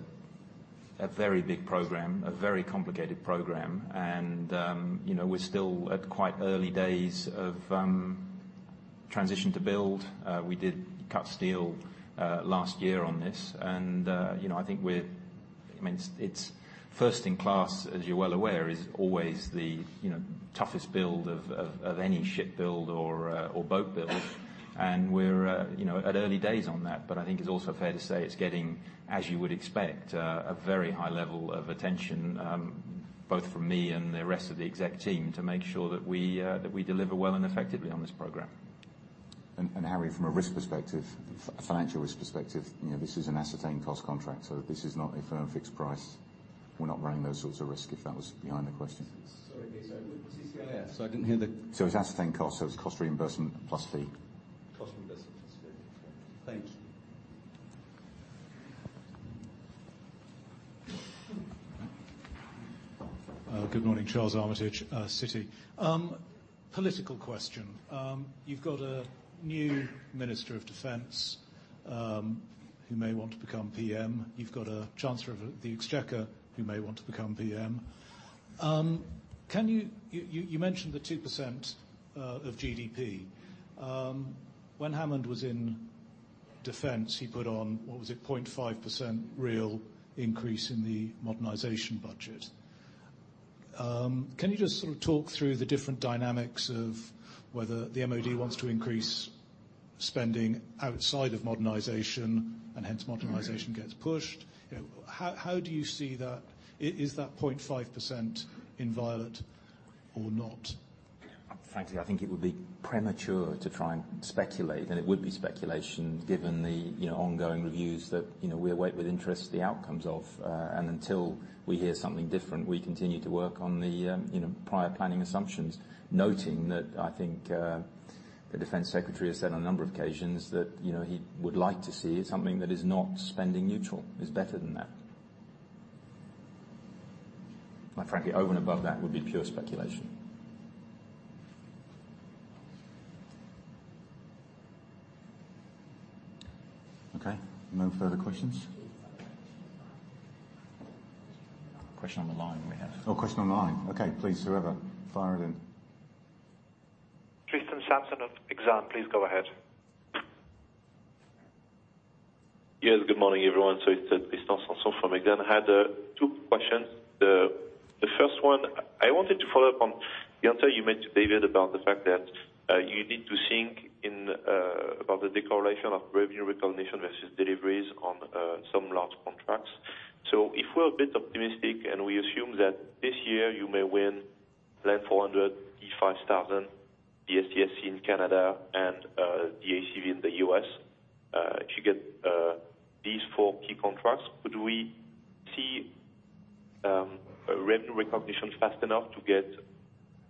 very big program, a very complicated program, and we're still at quite early days of transition to build. We did cut steel last year on this. First in class, as you're well aware, is always the toughest build of any ship build or boat build, and we're at early days on that. I think it's also fair to say it's getting, as you would expect, a very high level of attention, both from me and the rest of the exec team, to make sure that we deliver well and effectively on this program. Harry, from a risk perspective, a financial risk perspective, this is an ascertained cost contract. This is not a firm fixed price. We're not running those sorts of risk, if that was behind the question. Sorry, could you say it with CCLS? I didn't hear. It's ascertained cost, so it's cost reimbursement plus fee. Cost reimbursement plus fee. Okay, thank you. Good morning. Charles Armitage, Citi. Political question. You've got a new Minister of Defence, who may want to become PM. You've got a Chancellor of the Exchequer who may want to become PM. You mentioned the 2% of GDP. When Hammond was in Defence, he put on, what was it, 0.5% real increase in the modernization budget. Can you just sort of talk through the different dynamics of whether the MOD wants to increase spending outside of modernization, and hence modernization gets pushed? How do you see that? Is that 0.5% inviolate or not? Frankly, I think it would be premature to try and speculate, and it would be speculation given the ongoing reviews that we await with interest the outcomes of, and until we hear something different, we continue to work on the prior planning assumptions. Noting that I think, the Defence Secretary has said on a number of occasions that he would like to see something that is not spending neutral, is better than that. Frankly, over and above that would be pure speculation. Okay, no further questions? Question on the line we have. Oh, question on the line. Okay. Please, whoever, fire it in. Tristan Sanson of Exane, please go ahead. Yes, good morning, everyone. It's Tristan Sanson from Exane. I had two questions. The first one I wanted to follow up on the answer you made to David about the fact that you need to think about the declaration of revenue recognition versus deliveries on some large contracts. If we're a bit optimistic and we assume that this year you may win LAND 400, SEA 5000, the CSC in Canada, and the ACV in the U.S. If you get these four key contracts, could we see revenue recognition fast enough to get,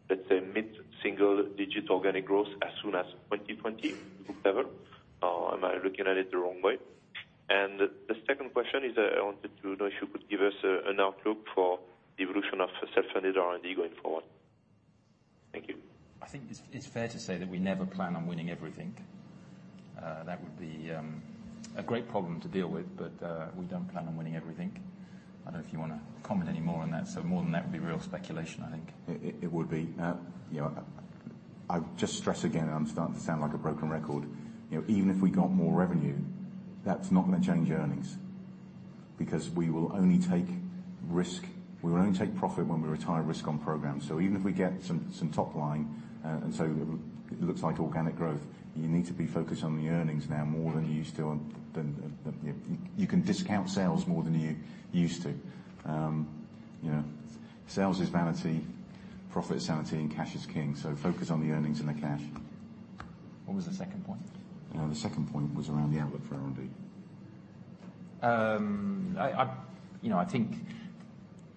let's say, mid-single digit organic growth as soon as 2020, book deliverable, or am I looking at it the wrong way? The second question is, I wanted to know if you could give us an outlook for the evolution of self-funded R&D going forward. Thank you. I think it's fair to say that we never plan on winning everything. That would be a great problem to deal with, but we don't plan on winning everything. I don't know if you want to comment any more on that. More than that would be real speculation, I think. It would be. I just stress again, I'm starting to sound like a broken record. Even if we got more revenue, that's not going to change earnings because we will only take profit when we retire risk on programs. Even if we get some top line, and it looks like organic growth, you need to be focused on the earnings now more than you used to, you can discount sales more than you used to. Sales is vanity, profit is sanity, and cash is king. Focus on the earnings and the cash. What was the second point? The second point was around the outlook for R&D. I think,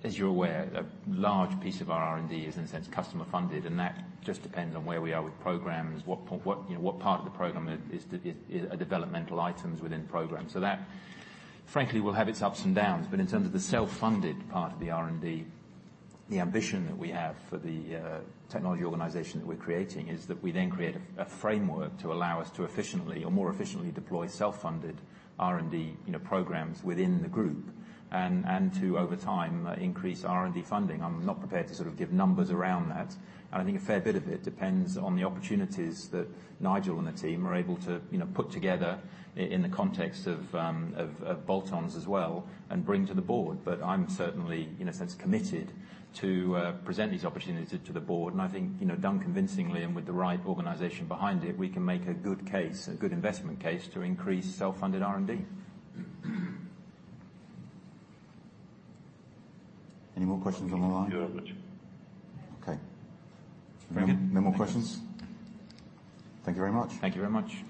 as you're aware, a large piece of our R&D is, in a sense, customer funded, and that just depends on where we are with programs, what part of the program are developmental items within programs. That, frankly, will have its ups and downs. In terms of the self-funded part of the R&D, the ambition that we have for the technology organization that we're creating is that we then create a framework to allow us to efficiently or more efficiently deploy self-funded R&D programs within the group and to, over time, increase R&D funding. I'm not prepared to sort of give numbers around that. I think a fair bit of it depends on the opportunities that Nigel and the team are able to put together in the context of bolt-ons as well and bring to the board. I'm certainly, in a sense, committed to present these opportunities to the board. I think, done convincingly and with the right organization behind it, we can make a good case, a good investment case, to increase self-funded R&D. Any more questions on the line? Thank you very much. Okay. No more questions? Thank you very much. Thank you very much.